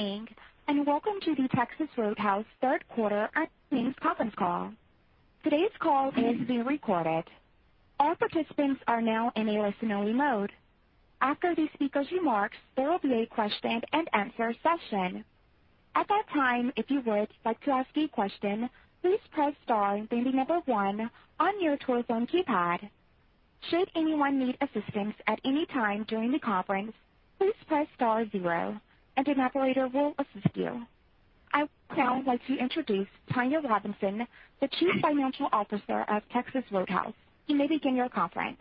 Good evening, and welcome to the Texas Roadhouse third quarter earnings conference call. Today's call is being recorded. All participants are now in a listen-only mode. After the speaker's remarks, there will be a question and answer session. At that time, if you would like to ask a question, please press star, then the number one on your telephone keypad. Should anyone need assistance at any time during the conference, please press star zero, and an operator will assist you. I would now like to introduce Tonya Robinson, the Chief Financial Officer of Texas Roadhouse. You may begin your conference.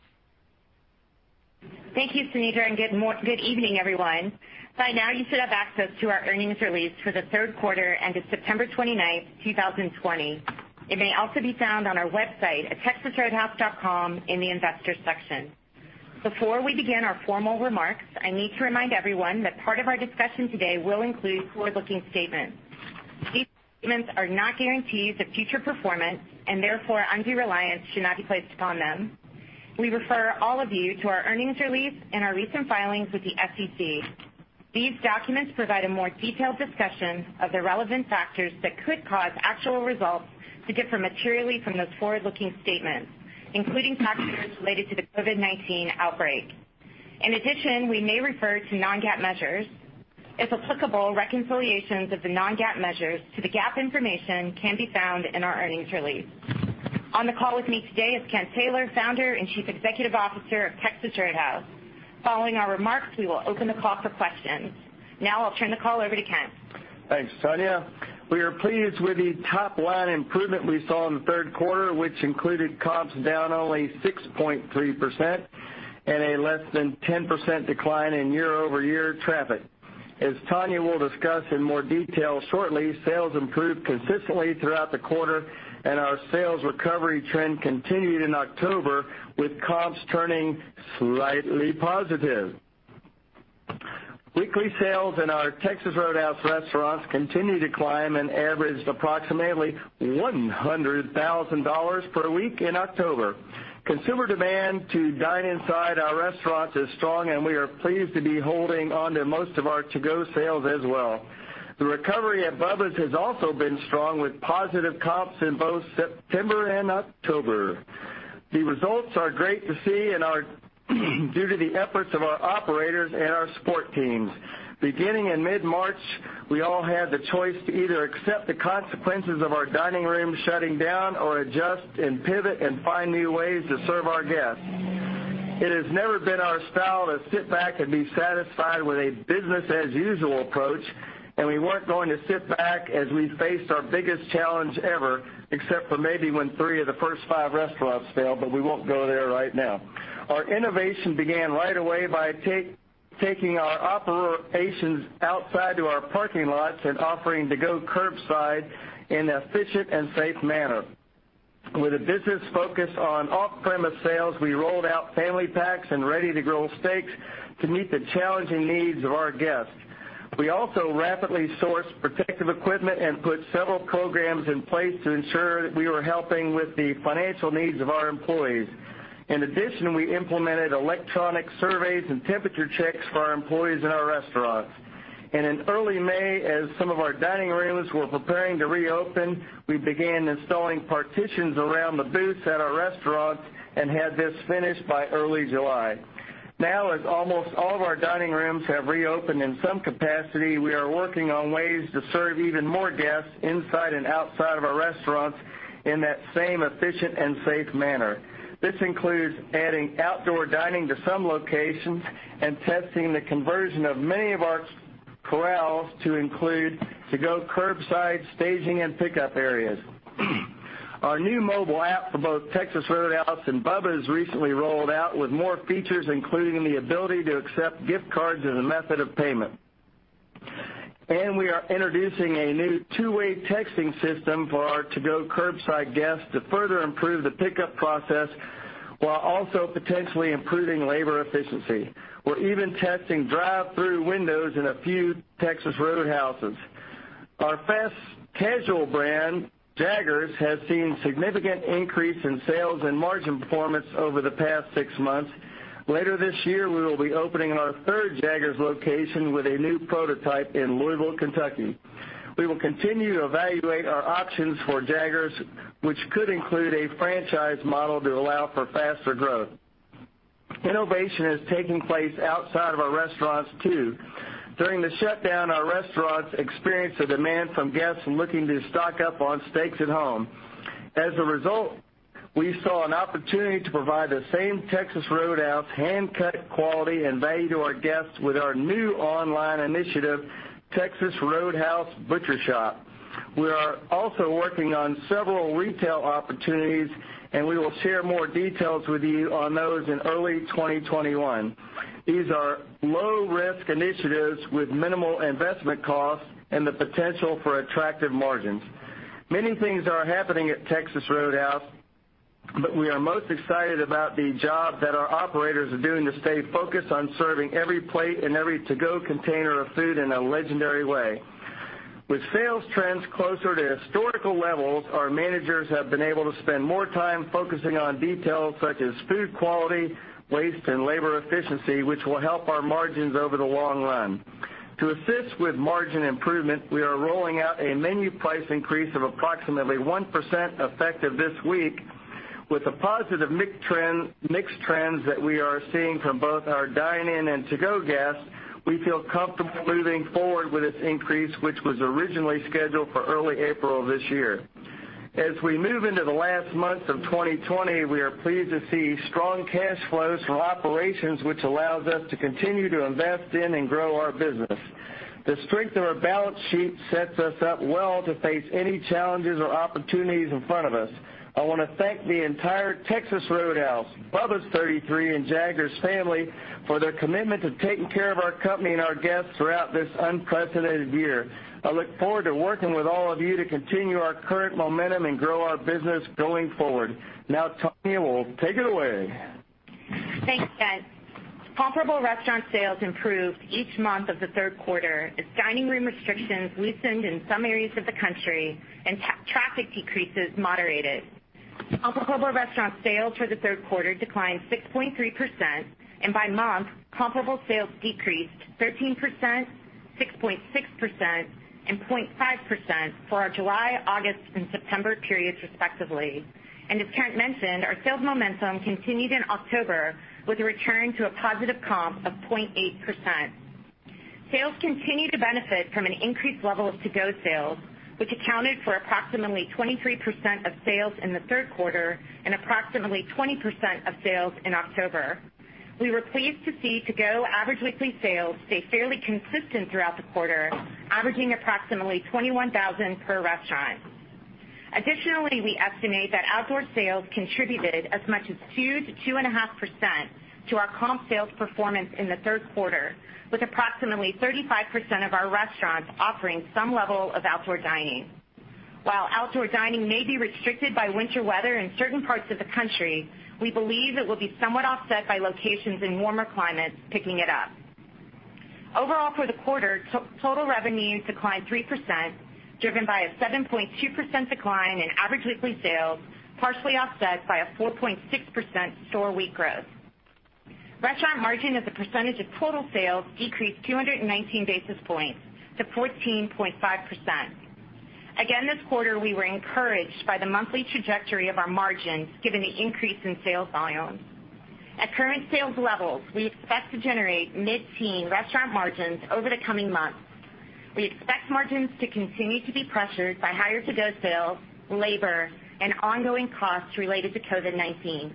Thank you, Sunita. Good evening, everyone. By now, you should have access to our earnings release for the third quarter ended September 29th, 2020. It may also be found on our website at texasroadhouse.com in the Investors section. Before we begin our formal remarks, I need to remind everyone that part of our discussion today will include forward-looking statements. These statements are not guarantees of future performance and therefore undue reliance should not be placed upon them. We refer all of you to our earnings release and our recent filings with the SEC. These documents provide a more detailed discussion of the relevant factors that could cause actual results to differ materially from those forward-looking statements, including factors related to the COVID-19 outbreak. We may refer to non-GAAP measures. If applicable, reconciliations of the non-GAAP measures to the GAAP information can be found in our earnings release. On the call with me today is Kent Taylor, Founder and Chief Executive Officer of Texas Roadhouse. Following our remarks, we will open the call for questions. I'll turn the call over to Kent. Thanks, Tonya. We are pleased with the top-line improvement we saw in the third quarter, which included comps down only 6.3% and a less than 10% decline in year-over-year traffic. As Tonya will discuss in more detail shortly, sales improved consistently throughout the quarter, and our sales recovery trend continued in October with comps turning slightly positive. Weekly sales in our Texas Roadhouse restaurants continue to climb and averaged approximately $100,000 per week in October. Consumer demand to dine inside our restaurants is strong, and we are pleased to be holding onto most of our To-Go sales as well. The recovery at Bubba's has also been strong with positive comps in both September and October. The results are great to see and are due to the efforts of our operators and our support teams. Beginning in mid-March, we all had the choice to either accept the consequences of our dining rooms shutting down or adjust and pivot and find new ways to serve our guests. It has never been our style to sit back and be satisfied with a business as usual approach, and we weren't going to sit back as we faced our biggest challenge ever, except for maybe when three of the first five restaurants failed, but we won't go there right now. Our innovation began right away by taking our operations outside to our parking lots and offering To-Go curbside in an efficient and safe manner. With a business focus on off-premise sales, we rolled out family packs and ready-to-grill steaks to meet the challenging needs of our guests. We also rapidly sourced protective equipment and put several programs in place to ensure that we were helping with the financial needs of our employees. In addition, we implemented electronic surveys and temperature checks for our employees in our restaurants. In early May, as some of our dining rooms were preparing to reopen, we began installing partitions around the booths at our restaurants and had this finished by early July. Now, as almost all of our dining rooms have reopened in some capacity, we are working on ways to serve even more guests inside and outside of our restaurants in that same efficient and safe manner. This includes adding outdoor dining to some locations and testing the conversion of many of our Corrals to include To-Go curbside staging and pickup areas. Our new mobile app for both Texas Roadhouse and Bubba's recently rolled out with more features, including the ability to accept gift cards as a method of payment. We are introducing a new two-way texting system for our To-Go curbside guests to further improve the pickup process while also potentially improving labor efficiency. We're even testing drive-thru windows in a few Texas Roadhouses. Our fast-casual brand, Jaggers, has seen significant increase in sales and margin performance over the past six months. Later this year, we will be opening our third Jaggers location with a new prototype in Louisville, Kentucky. We will continue to evaluate our options for Jaggers, which could include a franchise model to allow for faster growth. Innovation is taking place outside of our restaurants, too. During the shutdown, our restaurants experienced a demand from guests looking to stock up on steaks at home. As a result, we saw an opportunity to provide the same Texas Roadhouse hand-cut quality and value to our guests with our new online initiative, Texas Roadhouse Butcher Shop. We are also working on several retail opportunities, we will share more details with you on those in early 2021. These are low-risk initiatives with minimal investment costs and the potential for attractive margins. Many things are happening at Texas Roadhouse, but we are most excited about the job that our operators are doing to stay focused on serving every plate and every To-Go container of food in a legendary way. With sales trends closer to historical levels, our managers have been able to spend more time focusing on details such as food quality, waste, and labor efficiency, which will help our margins over the long run. To assist with margin improvement, we are rolling out a menu price increase of approximately 1% effective this week. With the positive mix trends that we are seeing from both our dine-in and To-Go guests, we feel comfortable moving forward with this increase, which was originally scheduled for early April this year. As we move into the last months of 2020, we are pleased to see strong cash flows from operations, which allows us to continue to invest in and grow our business. The strength of our balance sheet sets us up well to face any challenges or opportunities in front of us. I want to thank the entire Texas Roadhouse, Bubba's 33, and Jaggers family for their commitment to taking care of our company and our guests throughout this unprecedented year. I look forward to working with all of you to continue our current momentum and grow our business going forward. Now, Tonya will take it away. Thanks, guys. Comparable restaurant sales improved each month of the third quarter as dining room restrictions loosened in some areas of the country and traffic decreases moderated. Comparable restaurant sales for the third quarter declined 6.3%, and by month, comparable sales decreased 13%, 6.6%, and 0.5% for our July, August, and September periods respectively. As Kent mentioned, our sales momentum continued in October with a return to a positive comp of 0.8%. Sales continue to benefit from an increased level of To-Go sales, which accounted for approximately 23% of sales in the third quarter and approximately 20% of sales in October. We were pleased to see To-Go average weekly sales stay fairly consistent throughout the quarter, averaging approximately $21,000 per restaurant. Additionally, we estimate that outdoor sales contributed as much as 2%-2.5% to our comp sales performance in the third quarter, with approximately 35% of our restaurants offering some level of outdoor dining. While outdoor dining may be restricted by winter weather in certain parts of the country, we believe it will be somewhat offset by locations in warmer climates picking it up. Overall for the quarter, total revenue declined 3%, driven by a 7.2% decline in average weekly sales, partially offset by a 4.6% store week growth. Restaurant margin as a percentage of total sales decreased 219 basis points to 14.5%. This quarter, we were encouraged by the monthly trajectory of our margins given the increase in sales volume. At current sales levels, we expect to generate mid-teen restaurant margins over the coming months. We expect margins to continue to be pressured by higher To-Go sales, labor, and ongoing costs related to COVID-19.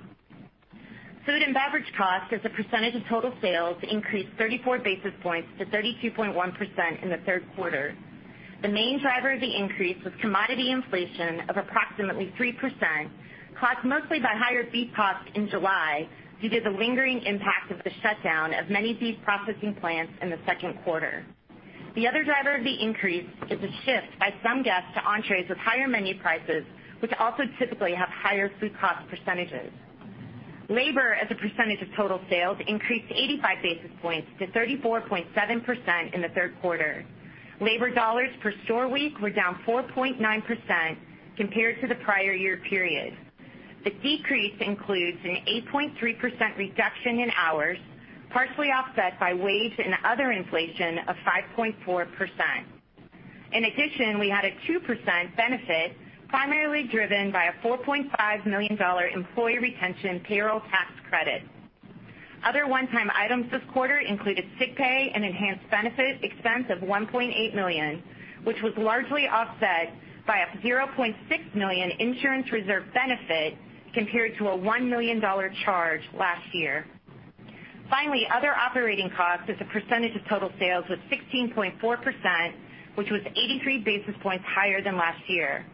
Food and beverage cost as a percentage of total sales increased 34 basis points to 32.1% in the third quarter. The main driver of the increase was commodity inflation of approximately 3%, caused mostly by higher beef costs in July due to the lingering impact of the shutdown of many beef processing plants in the second quarter. The other driver of the increase is a shift by some guests to entrees with higher menu prices, which also typically have higher food cost percentages. Labor as a percentage of total sales increased 85 basis points to 34.7% in the third quarter. Labor dollars per store week were down 4.9% compared to the prior year period. The decrease includes an 8.3% reduction in hours, partially offset by wage and other inflation of 5.4%. In addition, we had a 2% benefit, primarily driven by a $4.5 million employee retention payroll tax credit. Other one-time items this quarter included sick pay and enhanced benefit expense of $1.8 million, which was largely offset by a $0.6 million insurance reserve benefit compared to a $1 million charge last year. Finally, other operating costs as a percentage of total sales was 16.4%, which was 83 basis points higher than last year.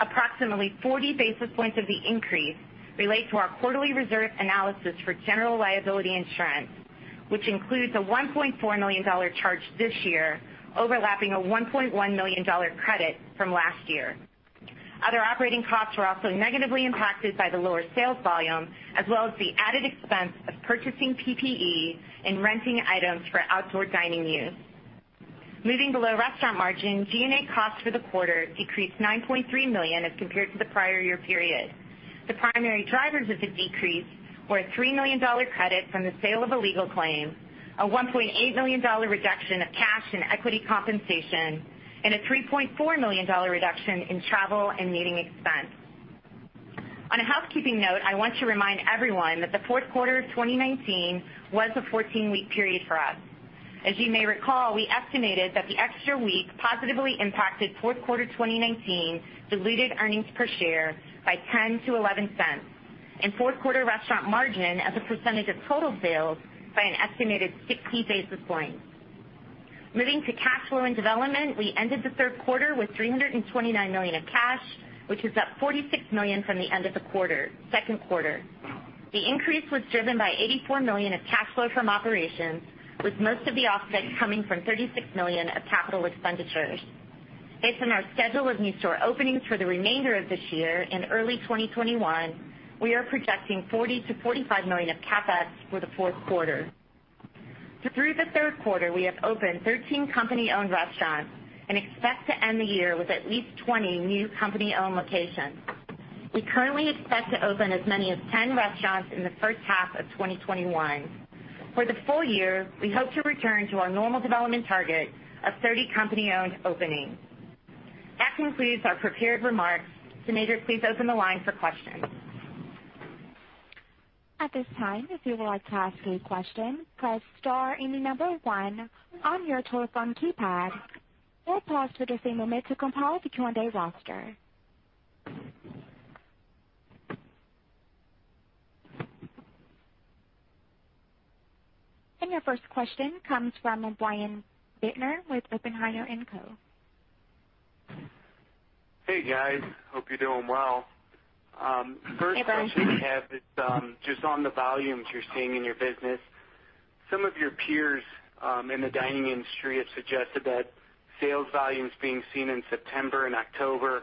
Approximately 40 basis points of the increase relate to our quarterly reserve analysis for general liability insurance, which includes a $1.4 million charge this year overlapping a $1.1 million credit from last year. Other operating costs were also negatively impacted by the lower sales volume, as well as the added expense of purchasing PPE and renting items for outdoor dining use. Moving below restaurant margin, G&A costs for the quarter decreased $9.3 million as compared to the prior year period. The primary drivers of the decrease were a $3 million credit from the sale of a legal claim, a $1.8 million reduction of cash and equity compensation, and a $3.4 million reduction in travel and meeting expense. On a housekeeping note, I want to remind everyone that the fourth quarter of 2019 was a 14-week period for us. As you may recall, we estimated that the extra week positively impacted fourth quarter 2019 diluted earnings per share by $0.10-$0.11, and fourth quarter restaurant margin as a percentage of total sales by an estimated 60 basis points. Moving to cash flow and development, we ended the third quarter with $329 million of cash, which is up $46 million from the end of the second quarter. The increase was driven by $84 million of cash flow from operations, with most of the offset coming from $36 million of capital expenditures. Based on our schedule of new store openings for the remainder of this year and early 2021, we are projecting $40 million-$45 million of CapEx for the fourth quarter. Through the third quarter, we have opened 13 company-owned restaurants and expect to end the year with at least 20 new company-owned locations. We currently expect to open as many as 10 restaurants in the first half of 2021. For the full year, we hope to return to our normal development target of 30 company-owned openings. That concludes our prepared remarks. Operator, please open the line for questions. At this time if you will like to ask a question. Press star and the number one on your telephone keypad. [inaudible] to compile the Q&A roster. Your first question comes from Brian Bittner with Oppenheimer & Co. Hey, guys. Hope you're doing well. Hey, Brian. First question I have is just on the volumes you're seeing in your business. Some of your peers in the dining industry have suggested that sales volumes being seen in September and October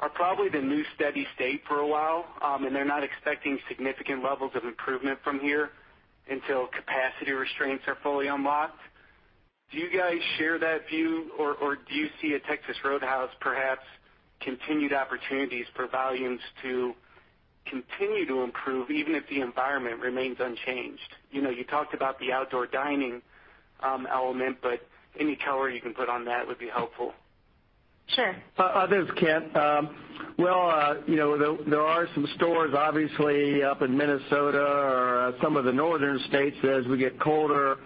are probably the new steady state for a while, and they're not expecting significant levels of improvement from here until capacity restraints are fully unlocked. Do you guys share that view, or do you see at Texas Roadhouse, perhaps, continued opportunities for volumes to continue to improve even if the environment remains unchanged? You talked about the outdoor dining element, but any color you can put on that would be helpful. Sure. This is Kent. Well, there are some stores, obviously, up in Minnesota or some of the northern states, as we get colder,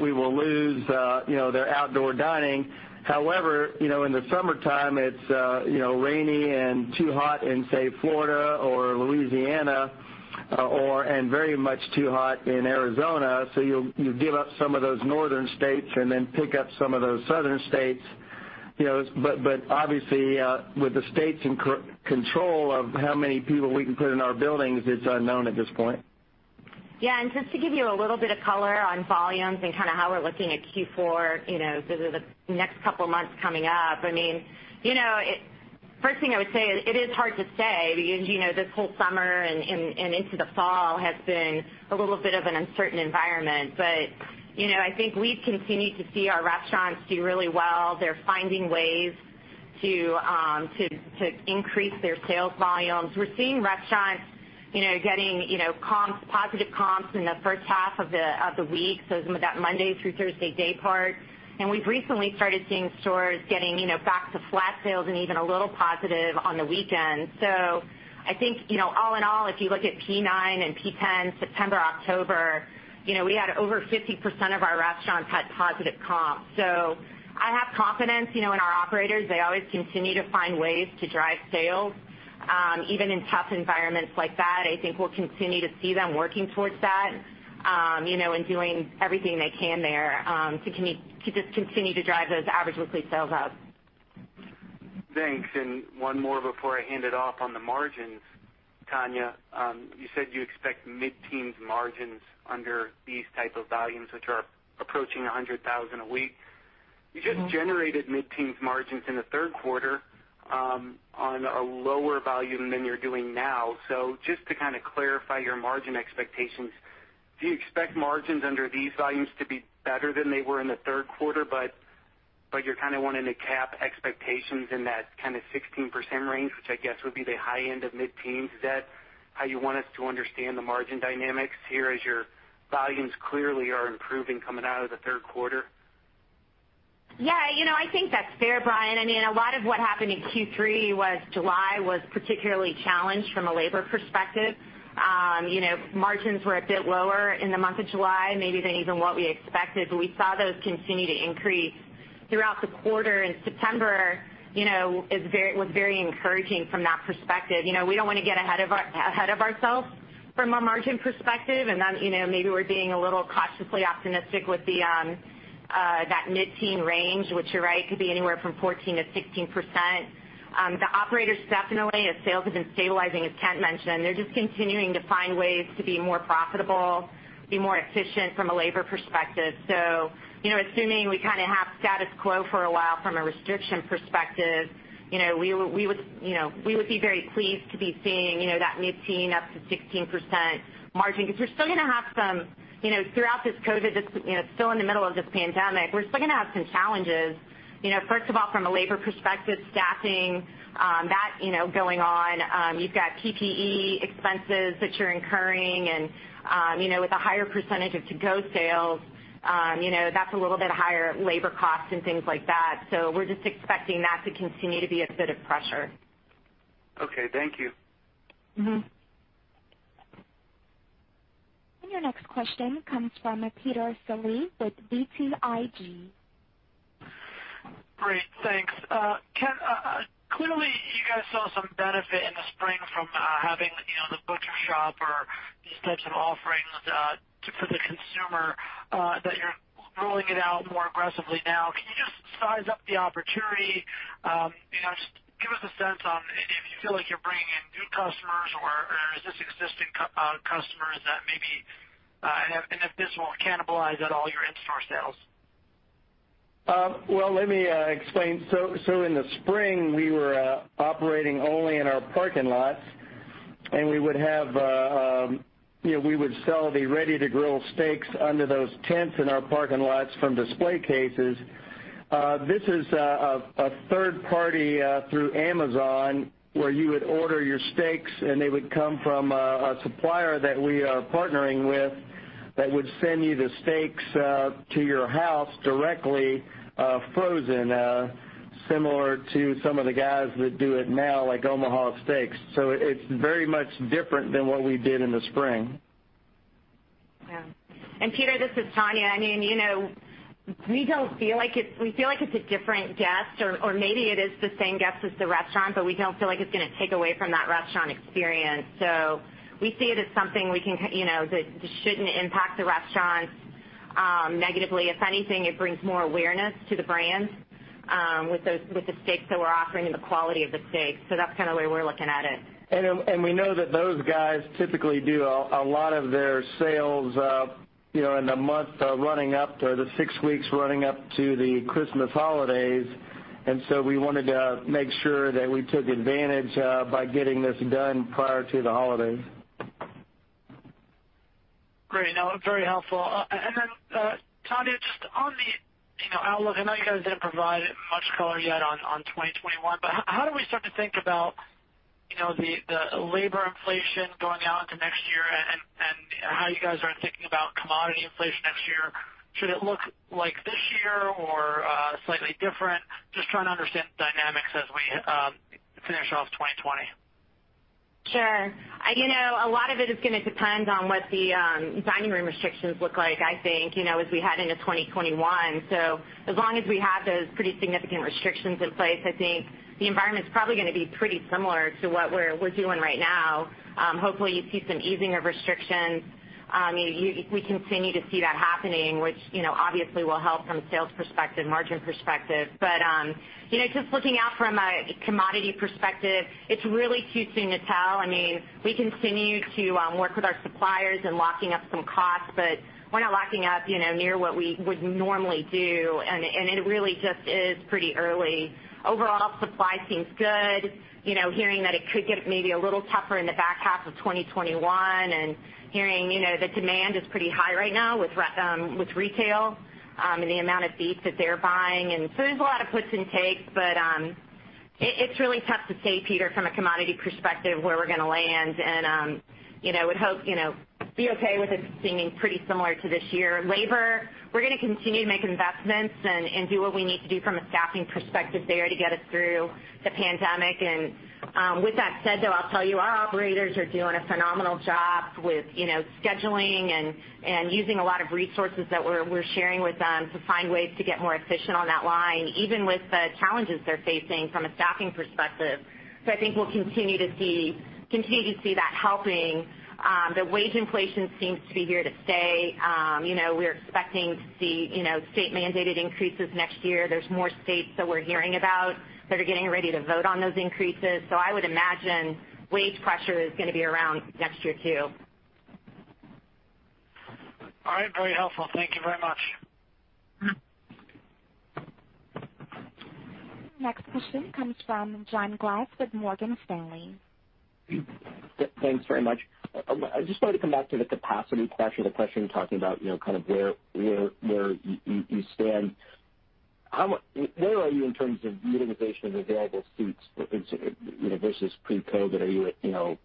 we will lose their outdoor dining. However, in the summertime, it's rainy and too hot in, say, Florida or Louisiana, and very much too hot in Arizona. You give up some of those northern states and then pick up some of those southern states. Obviously, with the states in control of how many people we can put in our buildings, it's unknown at this point. Yeah, just to give you a little bit of color on volumes and how we're looking at Q4, so the next couple of months coming up. First thing I would say, it is hard to say. This whole summer and into the fall has been a little bit of an uncertain environment. I think we've continued to see our restaurants do really well. They're finding ways to increase their sales volumes. We're seeing restaurants getting positive comps in the first half of the week, so some of that Monday through Thursday day part. We've recently started seeing stores getting back to flat sales and even a little positive on the weekend. I think all in all, if you look at P9 and P10, September, October, we had over 50% of our restaurants had positive comps. I have confidence in our operators. They always continue to find ways to drive sales. Even in tough environments like that, I think we'll continue to see them working towards that, and doing everything they can there to just continue to drive those average weekly sales up. Thanks. One more before I hand it off on the margins, Tonya. You said you expect mid-teens margins under these type of volumes, which are approaching $100,000 a week. You just generated mid-teens margins in the third quarter on a lower volume than you're doing now. Just to clarify your margin expectations, do you expect margins under these volumes to be better than they were in the third quarter, but you're wanting to cap expectations in that 16% range, which I guess would be the high end of mid-teens? Is that how you want us to understand the margin dynamics here as your volumes clearly are improving coming out of the third quarter? Yeah, I think that's fair, Brian. A lot of what happened in Q3 was July was particularly challenged from a labor perspective. Margins were a bit lower in the month of July, maybe than even what we expected, but we saw those continue to increase throughout the quarter, and September was very encouraging from that perspective. We don't want to get ahead of ourselves from a margin perspective, and then maybe we're being a little cautiously optimistic with that mid-teen range, which you're right, could be anywhere from 14%-16%. The operators definitely, as sales have been stabilizing, as Kent mentioned, they're just continuing to find ways to be more profitable, be more efficient from a labor perspective. Assuming we have status quo for a while from a restriction perspective, we would be very pleased to be seeing that mid-teen up to 16% margin, because we're still going to have some, throughout this COVID-19, still in the middle of this pandemic, we're still going to have some challenges. First of all, from a labor perspective, staffing, that going on. You've got PPE expenses that you're incurring and with a higher percentage of To-Go sales, that's a little bit higher labor cost and things like that. We're just expecting that to continue to be a bit of pressure. Okay, thank you. Your next question comes from Peter Saleh with BTIG. Great. Thanks. Kent, clearly you guys saw some benefit in the spring from having the Butcher Shop or these types of offerings for the consumer, that you're rolling it out more aggressively now. Can you just size up the opportunity? Just give us a sense on if you feel like you're bringing in new customers or is this existing customers, and if this won't cannibalize at all your in-store sales? Let me explain. In the spring, we were operating only in our parking lots, and we would sell the ready-to-grill steaks under those tents in our parking lots from display cases. This is a third party through Amazon, where you would order your steaks, and they would come from a supplier that we are partnering with that would send you the steaks to your house directly frozen, similar to some of the guys that do it now, like Omaha Steaks. It's very much different than what we did in the spring. Yeah. Peter, this is Tonya. We feel like it's a different guest, or maybe it is the same guest as the restaurant, but we don't feel like it's going to take away from that restaurant experience. We see it as something that shouldn't impact the restaurants negatively. If anything, it brings more awareness to the brand with the steaks that we're offering and the quality of the steaks. That's kind of the way we're looking at it. We know that those guys typically do a lot of their sales in the month running up to the six weeks running up to the Christmas holidays. We wanted to make sure that we took advantage by getting this done prior to the holidays. Great. No, very helpful. Tonya, just on the outlook, I know you guys didn't provide much color yet on 2021. How do we start to think about the labor inflation going out into next year and how you guys are thinking about commodity inflation next year? Should it look like this year or slightly different? Just trying to understand the dynamics as we finish off 2020. Sure. A lot of it is going to depend on what the dining room restrictions look like, I think, as we head into 2021. As long as we have those pretty significant restrictions in place, I think the environment's probably going to be pretty similar to what we're doing right now. Hopefully, you see some easing of restrictions. We continue to see that happening, which obviously will help from a sales perspective, margin perspective. Just looking out from a commodity perspective, it's really too soon to tell. We continue to work with our suppliers in locking up some costs, but we're not locking up near what we would normally do, and it really just is pretty early. Overall, supply seems good. Hearing that it could get maybe a little tougher in the back half of 2021, hearing the demand is pretty high right now with retail and the amount of beef that they're buying. There's a lot of puts and takes, but it's really tough to say, Peter, from a commodity perspective, where we're going to land, and would hope be okay with it seeming pretty similar to this year. Labor, we're going to continue to make investments and do what we need to do from a staffing perspective there to get us through the pandemic. With that said, though, I'll tell you, our operators are doing a phenomenal job with scheduling and using a lot of resources that we're sharing with them to find ways to get more efficient on that line, even with the challenges they're facing from a staffing perspective. I think we'll continue to see that helping. The wage inflation seems to be here to stay. We're expecting to see state-mandated increases next year. There's more states that we're hearing about that are getting ready to vote on those increases. I would imagine wage pressure is going to be around next year, too. All right. Very helpful. Thank you very much. Next question comes from John Glass with Morgan Stanley. Thanks very much. I just wanted to come back to the capacity question, the question talking about where you stand. Where are you in terms of utilization of available seats versus pre-COVID? Are you at 80%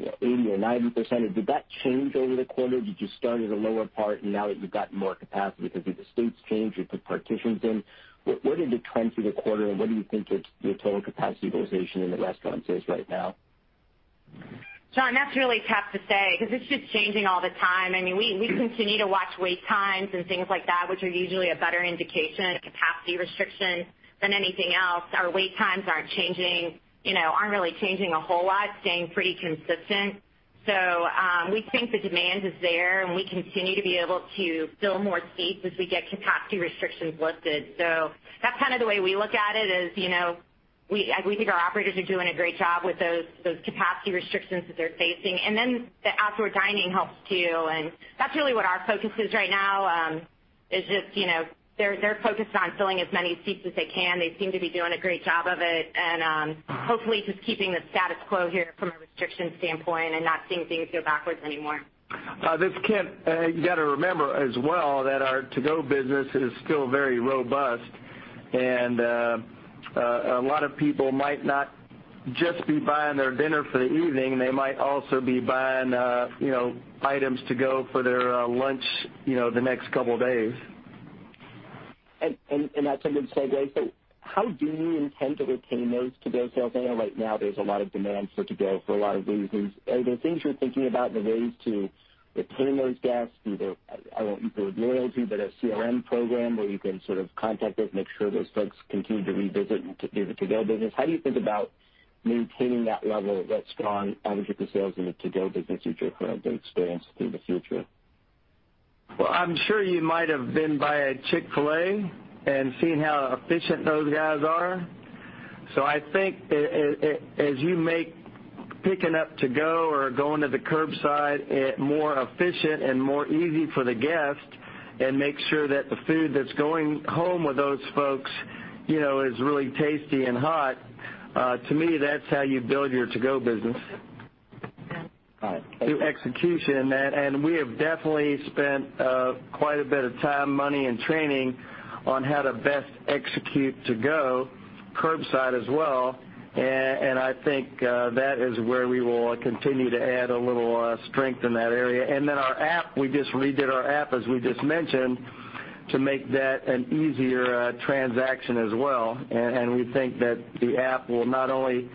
or 90%? Did that change over the quarter? Did you start at a lower part, and now that you've gotten more capacity because of the seats change, you put partitions in? What did it trend through the quarter, and what do you think your total capacity utilization in the restaurants is right now? John, that's really tough to say because it's just changing all the time. We continue to watch wait times and things like that, which are usually a better indication of capacity restrictions than anything else. Our wait times aren't really changing a whole lot, staying pretty consistent. We think the demand is there, and we continue to be able to fill more seats as we get capacity restrictions lifted. That's kind of the way we look at it is, we think our operators are doing a great job with those capacity restrictions that they're facing. The outdoor dining helps, too, and that's really what our focus is right now is just they're focused on filling as many seats as they can. They seem to be doing a great job of it. Hopefully, just keeping the status quo here from a restrictions standpoint and not seeing things go backwards anymore. This is Kent. You got to remember as well that our To-Go business is still very robust. A lot of people might not just be buying their dinner for the evening. They might also be buying items to go for their lunch the next couple of days. That's a good segue. How do you intend to retain those To-Go sales? I know right now there's a lot of demand for To-Go for a lot of reasons. Are there things you're thinking about in the ways to retain those guests through their, I won't use the word loyalty, but a CRM program where you can sort of contact those, make sure those folks continue to revisit and do the To-Go business? How do you think about maintaining that level, that strong average of the sales in the To-Go business as you're trying to experience through the future? Well, I'm sure you might have been by a Chick-fil-A and seen how efficient those guys are. I think as you make picking up To-Go or going to the curbside more efficient and easier for the guest, and make sure that the food that's going home with those folks is really tasty and hot, to me, that's how you build your To-Go business. All right. Thank you. Through execution. We have definitely spent quite a bit of time, money, and training on how to best execute To-Go, curbside as well, and I think that is where we will continue to add a little strength in that area. Then our app. We just redid our app, as we just mentioned, to make that an easier transaction as well. We think that the app will not only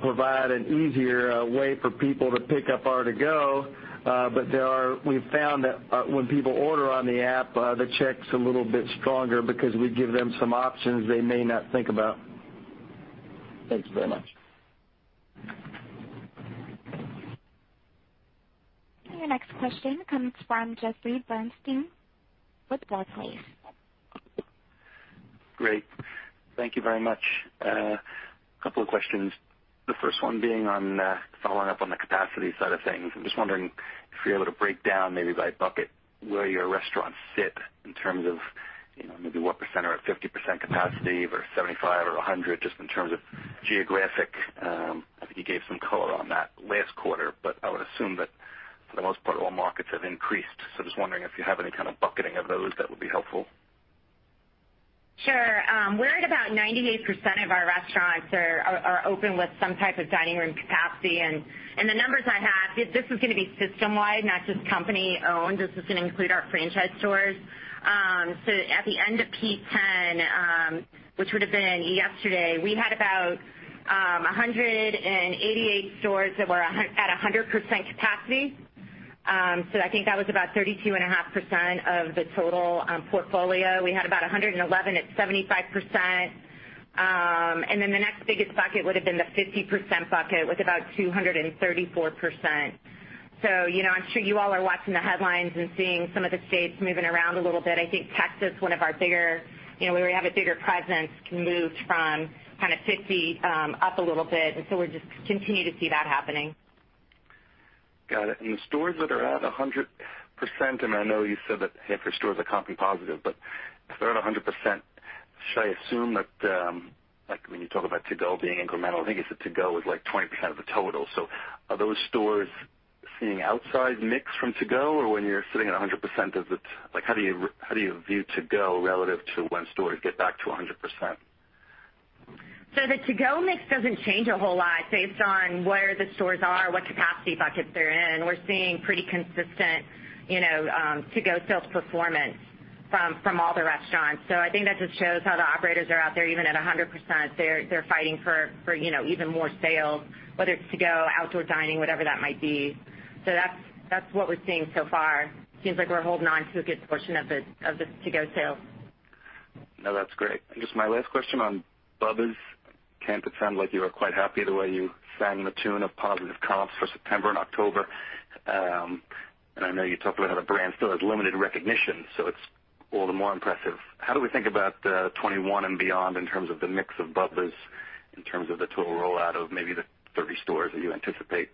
provide an easier way for people to pick up our To-Go, but we've found that when people order on the app, the check's a little bit stronger because we give them some options they may not think about. Thanks very much. Your next question comes from Jeffrey Bernstein with Barclays. Great. Thank you very much. A couple of questions. The first one being on following up on the capacity side of things. I'm just wondering if you're able to break down, maybe by bucket, where your restaurants sit in terms of maybe what percent are at 50% capacity versus 75% or 100%, just in terms of geographic. I think you gave some color on that last quarter, I would assume that for the most part, all markets have increased. Just wondering if you have any kind of bucketing of those that would be helpful. Sure. We're at about 98% of our restaurants are open with some type of dining room capacity. The numbers I have, this is going to be system-wide, not just company-owned. This is going to include our franchise stores. At the end of P10, which would've been yesterday, we had about 188 stores that were at 100% capacity. I think that was about 32.5% of the total portfolio. We had about 111 stores at 75%. The next biggest bucket would've been the 50% bucket with about 234%. I'm sure you all are watching the headlines and seeing some of the states moving around a little bit. I think Texas, where we have a bigger presence, moved from 50% up a little bit, we just continue to see that happening. Got it. The stores that are at 100%, and I know you said that half your stores are comp positive, but if they're at 100%, should I assume that, like when you talk about To-Go being incremental, I think you said To-Go is like 20% of the total. Are those stores seeing outsized mix from To-Go? When you're sitting at 100%, how do you view To-Go relative to when stores get back to 100%? The To-Go mix doesn't change a whole lot based on where the stores are, what capacity buckets they're in. We're seeing pretty consistent To-Go sales performance from all the restaurants. I think that just shows how the operators are out there, even at 100%. They're fighting for even more sales, whether it's To-Go, outdoor dining, whatever that might be. That's what we're seeing so far. Seems like we're holding on to a good portion of the To-Go sale. No, that's great. Just my last question on Bubba's. Can't pretend like you are quite happy the way you sang the tune of positive comps for September and October. I know you talked about how the brand still has limited recognition, so it's all the more impressive. How do we think about 2021 and beyond in terms of the mix of Bubba's, in terms of the total rollout of maybe the 30 stores that you anticipate?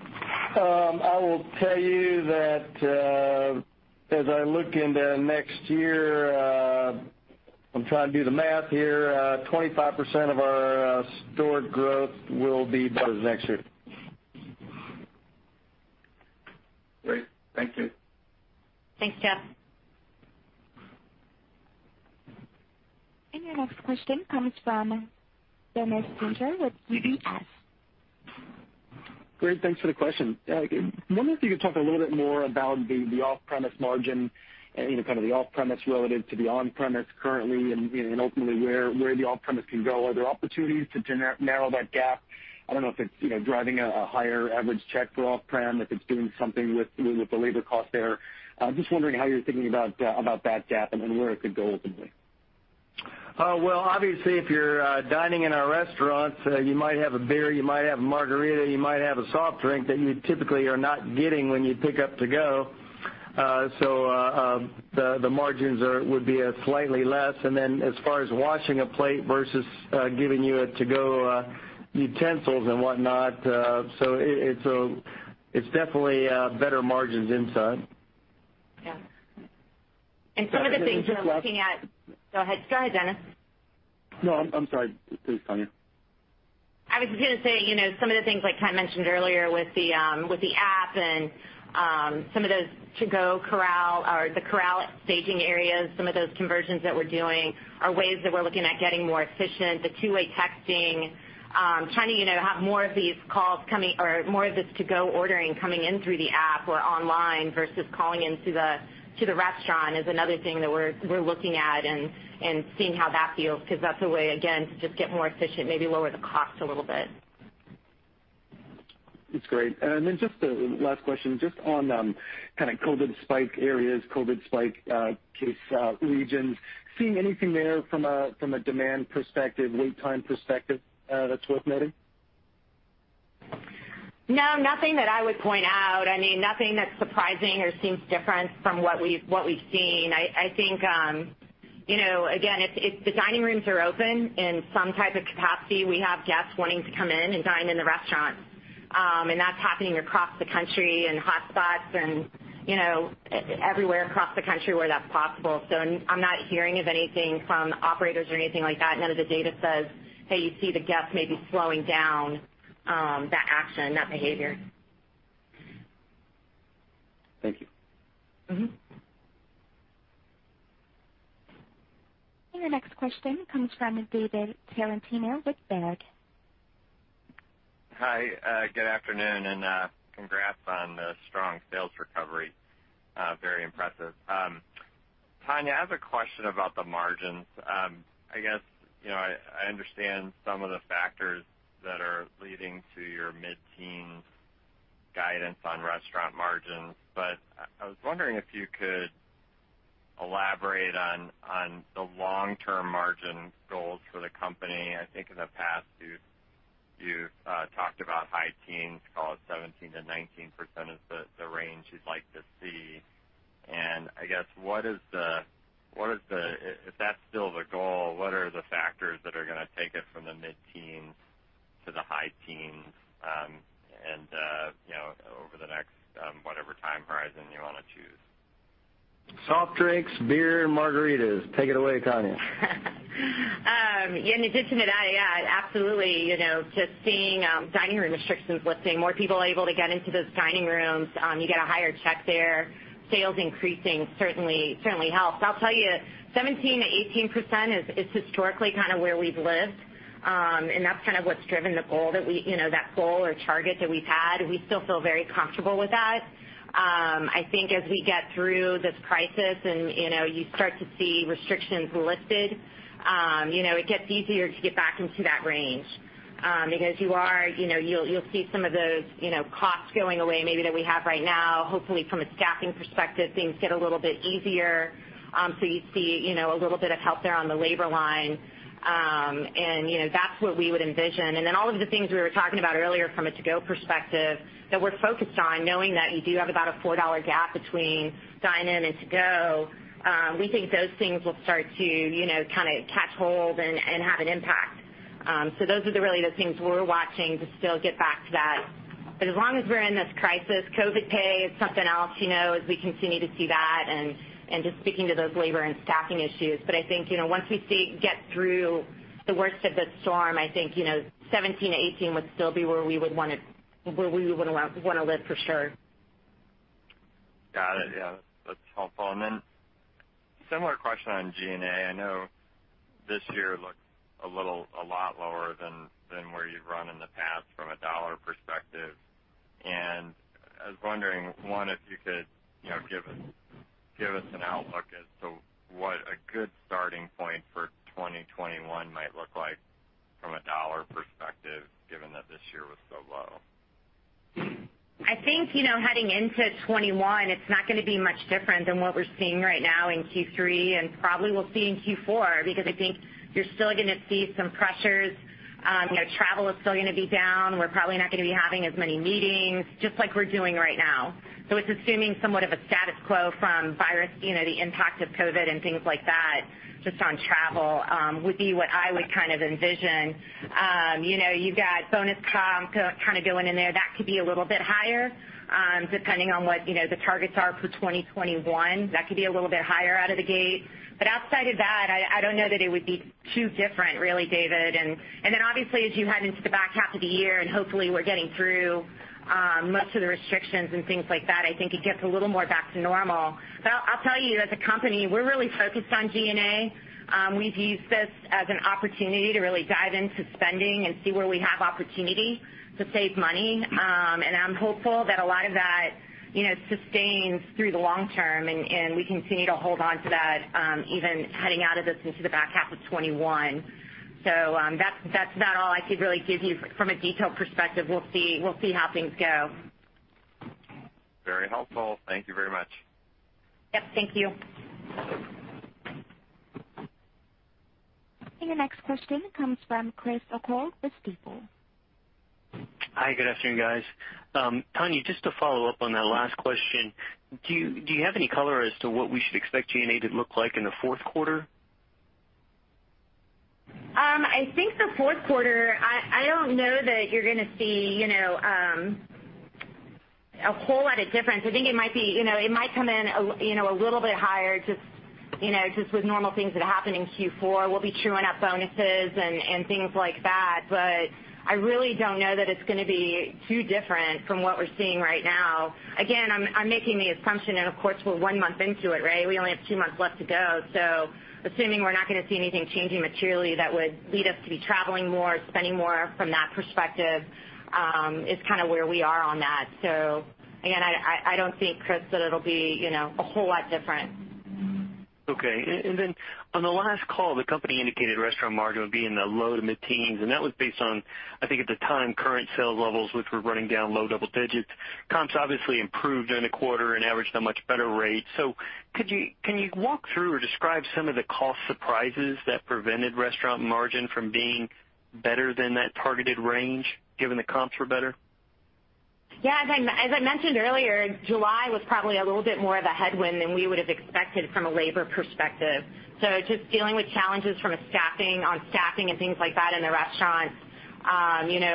I will tell you that as I look into next year, I'm trying to do the math here, 25% of our store growth will be Bubba's next year. Great. Thank you. Thanks, Jeff. Your next question comes from Dennis Geiger with UBS. Great. Thanks for the question. Wonder if you could talk a little bit more about the off-premise margin and even the off-premise relative to the on-premise currently, and ultimately where the off-premise can go. Are there opportunities to narrow that gap? I don't know if it's driving a higher average check for off-prem, if it's doing something with the labor cost there. Just wondering how you're thinking about that gap and where it could go ultimately. Well, obviously, if you're dining in our restaurants, you might have a beer, you might have a margarita, you might have a soft drink that you typically are not getting when you pick up To-Go. The margins would be slightly less, and then as far as washing a plate versus giving you a To-Go utensils and whatnot, so it's definitely better margins inside. Yeah. Some of the things we're looking at. Go ahead, Dennis. No, I'm sorry. Please Tonya. I was just going to say some of the things like Kent mentioned earlier with the app and some of those To-Go Corral or the Corral staging areas, some of those conversions that we're doing are ways that we're looking at getting more efficient. The two-way texting, trying to have more of this To-Go ordering coming in through the app or online versus calling into the restaurant is another thing that we're looking at and seeing how that feels, because that's a way, again, to just get more efficient, maybe lower the cost a little bit. That's great. Just a last question, just on kind of COVID spike areas, COVID spike case regions. Seeing anything there from a demand perspective, wait time perspective that's worth noting? No, nothing that I would point out. Nothing that's surprising or seems different from what we've seen. I think, again, if the dining rooms are open in some type of capacity, we have guests wanting to come in and dine in the restaurants. That's happening across the country in hotspots and everywhere across the country where that's possible. I'm not hearing of anything from operators or anything like that. None of the data says, "Hey, you see the guests maybe slowing down that action, that behavior. Thank you. Your next question comes from David Tarantino with Baird. Hi, good afternoon. Congrats on the strong sales recovery. Very impressive. Tonya, I have a question about the margins. I understand some of the factors that are leading to your mid-teens guidance on restaurant margins, but I was wondering if you could elaborate on the long-term margin goals for the company. I think in the past, you've talked about high teens, call it 17%-19% is the range you'd like to see. If that's still the goal, what are the factors that are going to take it from the mid-teens to the high teens over the next whatever time horizon you want to choose? Soft drinks, beer, and margaritas. Take it away, Tonya. In addition to that, yeah, absolutely. Just seeing dining room restrictions lifting, more people are able to get into those dining rooms. You get a higher check there. Sales increasing certainly helps. I'll tell you, 17%-18% is historically where we've lived, and that's what's driven that goal or target that we've had. We still feel very comfortable with that. I think as we get through this crisis and you start to see restrictions lifted, it gets easier to get back into that range. You'll see some of those costs going away maybe that we have right now. Hopefully from a staffing perspective, things get a little bit easier. You see a little bit of help there on the labor line. That's what we would envision. All of the things we were talking about earlier from a To-Go perspective that we're focused on, knowing that you do have about a $4 gap between dine-in and To-Go. We think those things will start to catch hold and have an impact. Those are really the things we're watching to still get back to that. As long as we're in this crisis, COVID pay is something else, as we continue to see that, and just speaking to those labor and staffing issues. I think once we get through the worst of the storm, I think 17%-18% would still be where we would want to live for sure. Got it. Yeah. That's helpful. Similar question on G&A. I know this year looks a lot lower than where you've run in the past from a dollar perspective. I was wondering, one, if you could give us an outlook as to what a good starting point for 2021 might look like from a dollar perspective, given that this year was so low. I think heading into 2021, it's not going to be much different than what we're seeing right now in Q3 and probably we'll see in Q4 because I think you're still going to see some pressures. Travel is still going to be down. We're probably not going to be having as many meetings, just like we're doing right now. It's assuming somewhat of a status quo from the impact of COVID-19 and things like that just on travel would be what I would envision. You've got bonus comp going in there. That could be a little bit higher depending on what the targets are for 2021. That could be a little bit higher out of the gate. Outside of that, I don't know that it would be too different really, David. Then obviously as you head into the back half of the year, and hopefully we're getting through most of the restrictions and things like that, I think it gets a little more back to normal. I'll tell you, as a company, we're really focused on G&A. We've used this as an opportunity to really dive into spending and see where we have opportunity to save money. I'm hopeful that a lot of that sustains through the long term, and we continue to hold onto that even heading out of this into the back half of 2021. That's about all I could really give you from a detailed perspective. We'll see how things go. Very helpful. Thank you very much. Yep. Thank you. Your next question comes from Chris O'Cull with Stifel. Hi, good afternoon, guys. Tonya, just to follow up on that last question, do you have any color as to what we should expect G&A to look like in the fourth quarter? I think the fourth quarter, I don't know that you're going to see a whole lot of difference. I think it might come in a little bit higher just with normal things that happen in Q4. We'll be truing up bonuses and things like that, but I really don't know that it's going to be too different from what we're seeing right now. Again, I'm making the assumption, and of course, we're one month into it. We only have two months left to go. Assuming we're not going to see anything changing materially that would lead us to be traveling more, spending more from that perspective, is where we are on that. Again, I don't think, Chris, that it'll be a whole lot different. Okay. On the last call, the company indicated restaurant margin would be in the low to mid-teens, and that was based on, I think at the time, current sales levels, which were running down low double digits. Comps obviously improved in a quarter and averaged a much better rate. Can you walk through or describe some of the cost surprises that prevented restaurant margin from being better than that targeted range given the comps were better? Yeah. As I mentioned earlier, July was probably a little bit more of a headwind than we would have expected from a labor perspective. Just dealing with challenges on staffing and things like that in the restaurants.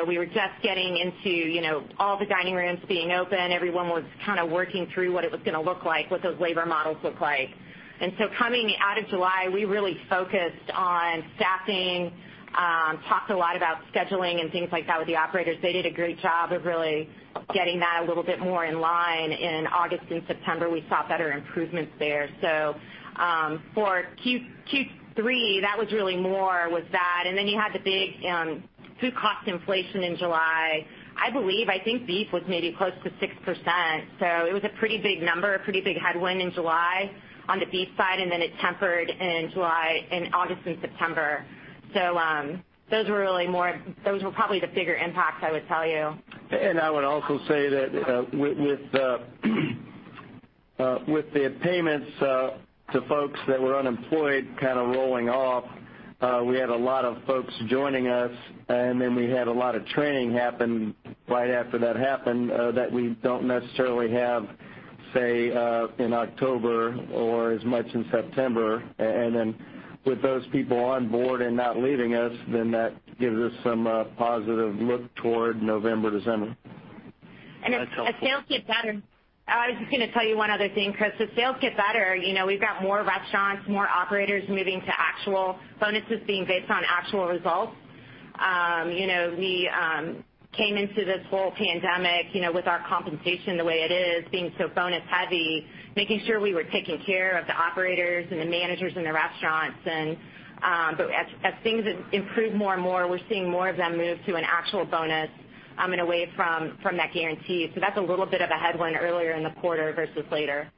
We were just getting into all the dining rooms being open. Everyone was kind of working through what it was going to look like, what those labor models look like. Coming out of July, we really focused on staffing, talked a lot about scheduling and things like that with the operators. They did a great job of really getting that a little bit more in line. In August and September, we saw better improvements there. For Q3, that was really more was that. You had the big food cost inflation in July. I think beef was maybe close to 6%. It was a pretty big number, a pretty big headwind in July on the beef side, and then it tempered in August and September. Those were probably the bigger impacts I would tell you. I would also say that with the payments to folks that were unemployed kind of rolling off, we had a lot of folks joining us, and then we had a lot of training happen right after that happened, that we don't necessarily have, say, in October or as much in September. With those people on board and not leaving us, then that gives us some positive look toward November, December. As sales get better, I was just going to tell you one other thing, Chris. As sales get better, we've got more restaurants, more operators moving to bonuses being based on actual results. We came into this whole pandemic with our compensation the way it is, being so bonus heavy, making sure we were taking care of the operators and the managers in the restaurants. As things improve more and more, we're seeing more of them move to an actual bonus, and away from that guarantee. That's a little bit of a headwind earlier in the quarter versus later.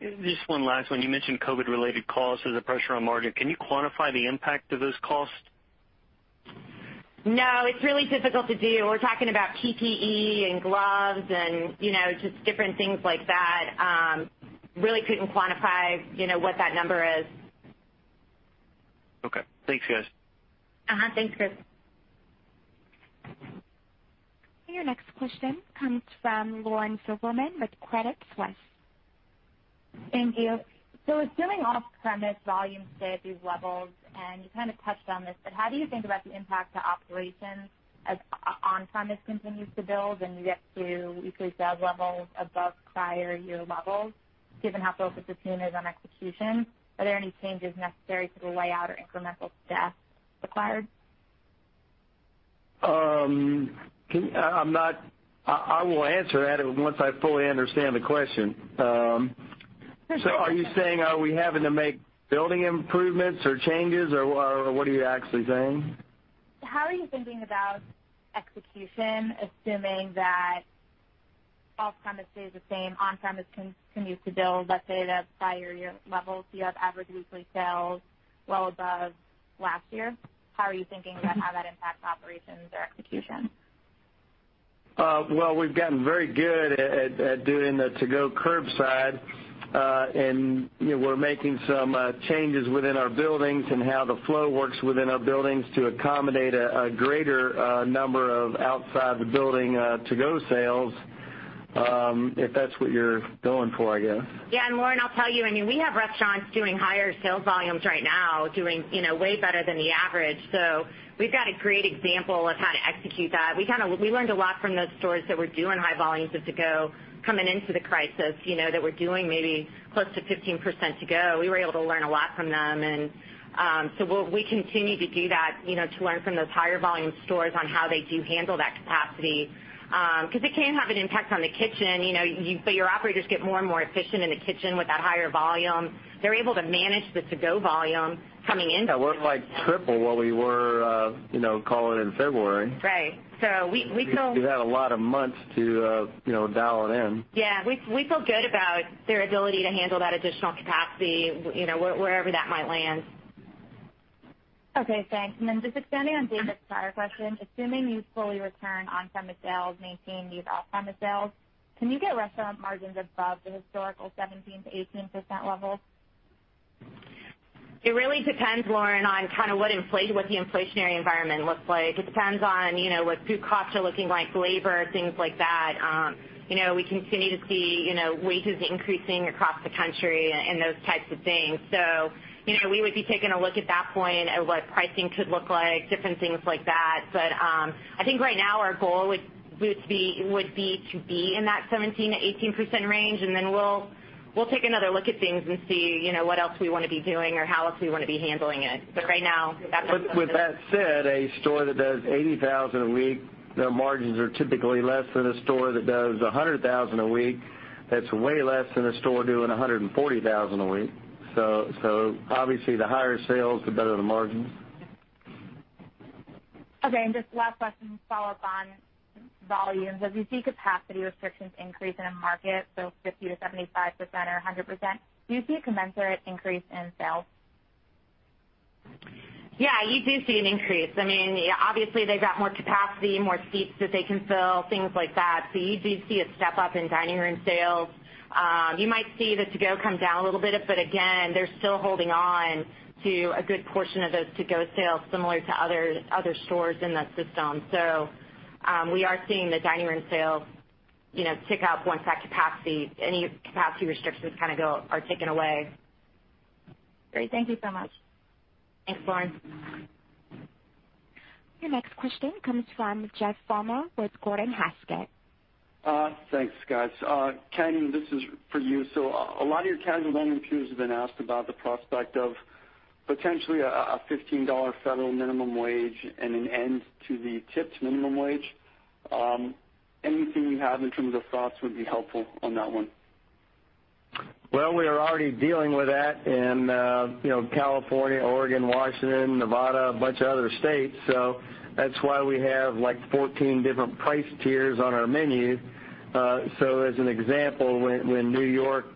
Just one last one. You mentioned COVID related costs as a pressure on margin. Can you quantify the impact of those costs? No, it's really difficult to do. We're talking about PPE and gloves and just different things like that. Really couldn't quantify what that number is. Okay. Thanks, guys. Thanks, Chris. Your next question comes from Lauren Silberman with Credit Suisse. Thank you. Assuming off-premise volumes stay at these levels, you kind of touched on this, how do you think about the impact to operations as on-premise continues to build and you get to weekly sales levels above prior year levels, given how focused the team is on execution? Are there any changes necessary to the layout or incremental staff required? I will answer that once I fully understand the question. Are you saying, are we having to make building improvements or changes, or what are you actually saying? How are you thinking about execution, assuming that off-premise stays the same, on-premise continues to build, let's say, to prior year levels, you have average weekly sales well above last year? How are you thinking about how that impacts operations or execution? Well, we've gotten very good at doing the To-Go curbside. We're making some changes within our buildings and how the flow works within our buildings to accommodate a greater number of outside the building To-Go sales, if that's what you're going for, I guess. Yeah. Lauren, I'll tell you, we have restaurants doing higher sales volumes right now, doing way better than the average. We've got a great example of how to execute that. We learned a lot from those stores that were doing high volumes of To-Go coming into the crisis, that were doing maybe close to 15% To-Go. We were able to learn a lot from them. We'll continue to do that to learn from those higher volume stores on how they do handle that capacity. It can have an impact on the kitchen, your operators get more and more efficient in the kitchen with that higher volume. They're able to manage the To-Go volume coming into the restaurant now. Yeah. We're like triple what we were, call it in February. Right. We've had a lot of months to dial it in. Yeah. We feel good about their ability to handle that additional capacity, wherever that might land. Okay, thanks. Then just extending on David's prior question, assuming you fully return on-premise sales, maintain these off-premise sales, can you get restaurant margins above the historical 17%-18% level? It really depends, Lauren, on what the inflationary environment looks like. It depends on what food costs are looking like, labor, things like that. We continue to see wages increasing across the country and those types of things. We would be taking a look at that point at what pricing could look like, different things like that. I think right now our goal would be to be in that 17%-18% range, and then we'll take another look at things and see what else we want to be doing or how else we want to be handling it. With that said, a store that does $80,000 a week, their margins are typically less than a store that does $100,000 a week. That's way less than a store doing $140,000 a week. Obviously the higher sales, the better the margins. Okay. Just last question to follow up on volumes. As you see capacity restrictions increase in a market, so 50%-75% or 100%, do you see a commensurate increase in sales? Yeah, you do see an increase. Obviously they've got more capacity, more seats that they can fill, things like that. You do see a step up in dining room sales. You might see the To-Go come down a little bit. Again, they're still holding on to a good portion of those To-Go sales similar to other stores in the system. We are seeing the dining room sales, you know, tick up once that capacity, any capacity restrictions kind of are taken away. Great. Thank you so much. Thanks, Lauren. Your next question comes from Jeff Farmer with Gordon Haskett. Thanks, guys. Kent, this is for you. A lot of your casual dining peers have been asked about the prospect of potentially a $15 federal minimum wage and an end to the tipped minimum wage. Anything you have in terms of thoughts would be helpful on that one. We are already dealing with that in California, Oregon, Washington, Nevada, a bunch of other states. That's why we have 14 different price tiers on our menu. As an example, when New York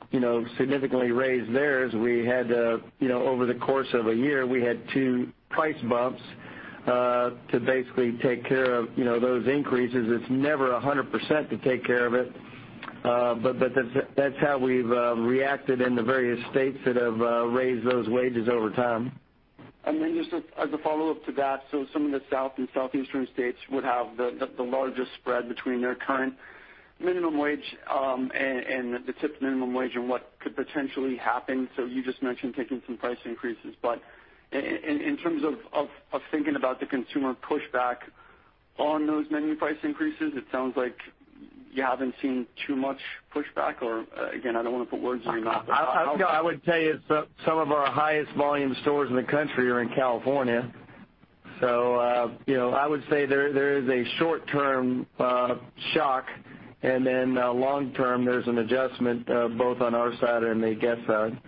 significantly raised theirs, over the course of a year, we had two price bumps, to basically take care of those increases. It's never 100% to take care of it. That's how we've reacted in the various states that have raised those wages over time. Just as a follow-up to that, some of the South and Southeastern states would have the largest spread between their current minimum wage, and the tipped minimum wage and what could potentially happen. You just mentioned taking some price increases. In terms of thinking about the consumer pushback on those menu price increases, it sounds like you haven't seen too much pushback, or again, I don't want to put words in your mouth. No, I would tell you some of our highest volume stores in the country are in California. I would say there is a short-term shock, and then long term, there's an adjustment, both on our side and the guest side.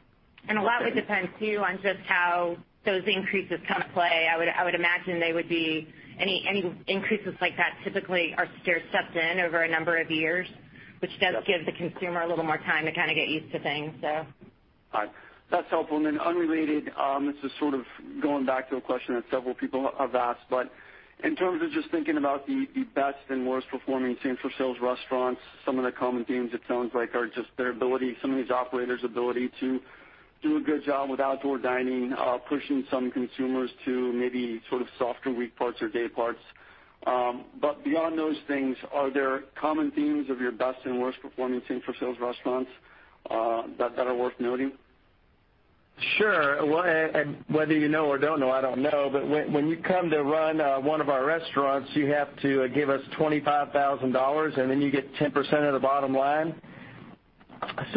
A lot of it depends too on just how those increases come to play. I would imagine any increases like that typically are stair-stepped in over a number of years, which does give the consumer a little more time to kind of get used to things. All right. That's helpful. Unrelated, this is sort of going back to a question that several people have asked, in terms of just thinking about the best and worst performing same-store-sales restaurants, some of the common themes it sounds like are just some of these operators' ability to do a good job with outdoor dining, pushing some consumers to maybe sort of softer week parts or day parts. Beyond those things, are there common themes of your best and worst performing same-store-sales restaurants that are worth noting? Sure. Well, whether you know or don't know, I don't know, but when you come to run one of our restaurants, you have to give us $25,000, and then you get 10% of the bottom line.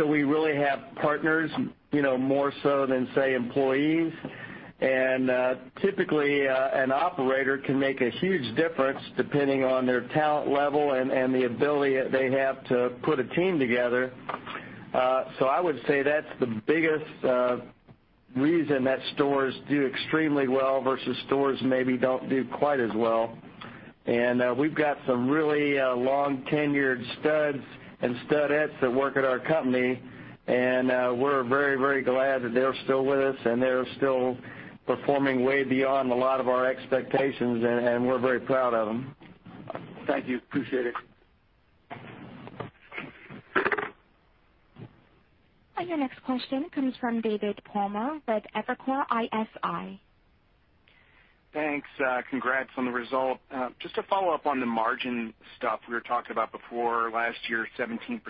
We really have partners, more so than say, employees. Typically, an operator can make a huge difference depending on their talent level and the ability that they have to put a team together. I would say that's the biggest reason that stores do extremely well versus stores maybe don't do quite as well. We've got some really long-tenured studs and studettes that work at our company, and we're very glad that they're still with us, and they're still performing way beyond a lot of our expectations, and we're very proud of them. Thank you. Appreciate it. Your next question comes from David Palmer with Evercore ISI. Thanks. Congrats on the result. Just to follow up on the margin stuff we were talking about before last year, 17%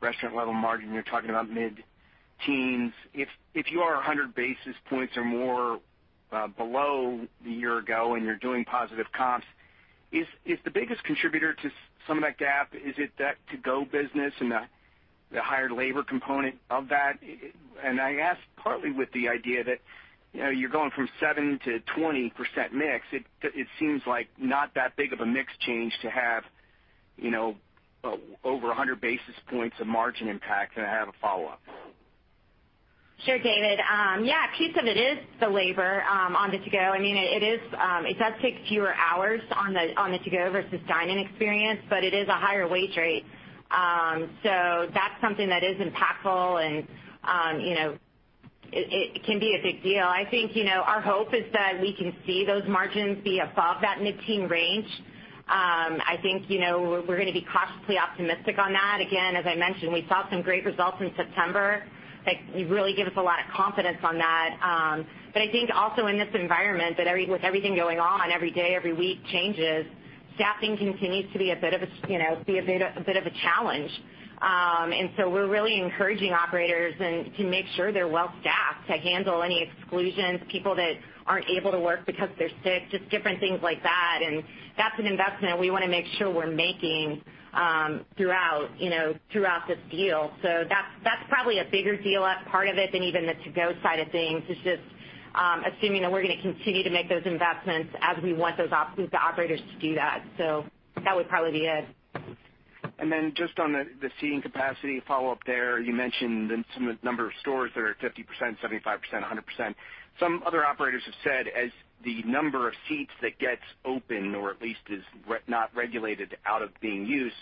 restaurant level margin, you're talking about mid-teens. If you are 100 basis points or more below the year ago, and you're doing positive comps, is the biggest contributor to some of that gap, is it that To-Go business and the higher labor component of that? I ask partly with the idea that you're going from 7%-20% mix. It seems like not that big of a mix change to have over 100 basis points of margin impact. I have a follow-up. Sure, David. Yeah, a piece of it is the labor on the To-Go. It does take fewer hours on the To-Go versus dine-in experience, but it is a higher wage rate. That's something that is impactful and it can be a big deal. I think our hope is that we can see those margins be above that mid-teen range. I think we're going to be cautiously optimistic on that. Again, as I mentioned, we saw some great results in September that really give us a lot of confidence on that. I think also in this environment, with everything going on every day, every week changes, staffing continues to be a bit of a challenge. We're really encouraging operators to make sure they're well-staffed to handle any exclusions, people that aren't able to work because they're sick, just different things like that. That's an investment we want to make sure we're making throughout this deal. That's probably a bigger deal part of it than even the to-go side of things. It's just assuming that we're going to continue to make those investments as we want the operators to do that. That would probably be it. Just on the seating capacity follow-up there, you mentioned some of the number of stores that are at 50%, 75%, 100%. Some other operators have said as the number of seats that gets open or at least is not regulated out of being used,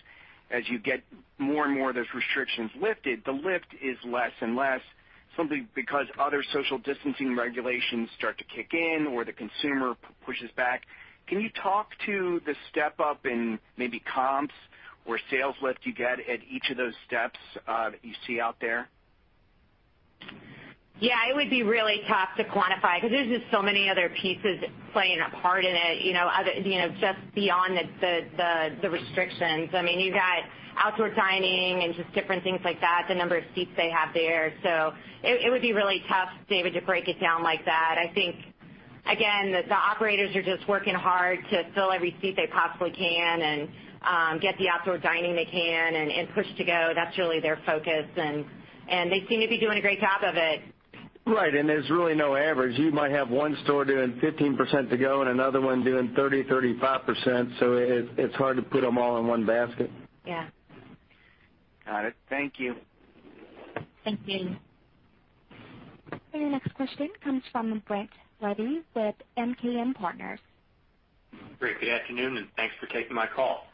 as you get more and more of those restrictions lifted, the lift is less and less, simply because other social distancing regulations start to kick in or the consumer pushes back. Can you talk to the step-up in maybe comps or sales lift you get at each of those steps that you see out there? Yeah, it would be really tough to quantify because there's just so many other pieces playing a part in it, just beyond the restrictions. You've got outdoor dining and just different things like that, the number of seats they have there. It would be really tough, David, to break it down like that. I think, again, the operators are just working hard to fill every seat they possibly can and get the outdoor dining they can and push to go. That's really their focus, and they seem to be doing a great job of it. Right. There's really no average. You might have one store doing 15% to go and another one doing 30%, 35%. It's hard to put them all in one basket. Yeah. Got it. Thank you. Thank you. Your next question comes from Brett Levy with MKM Partners. Great. Good afternoon, and thanks for taking my call.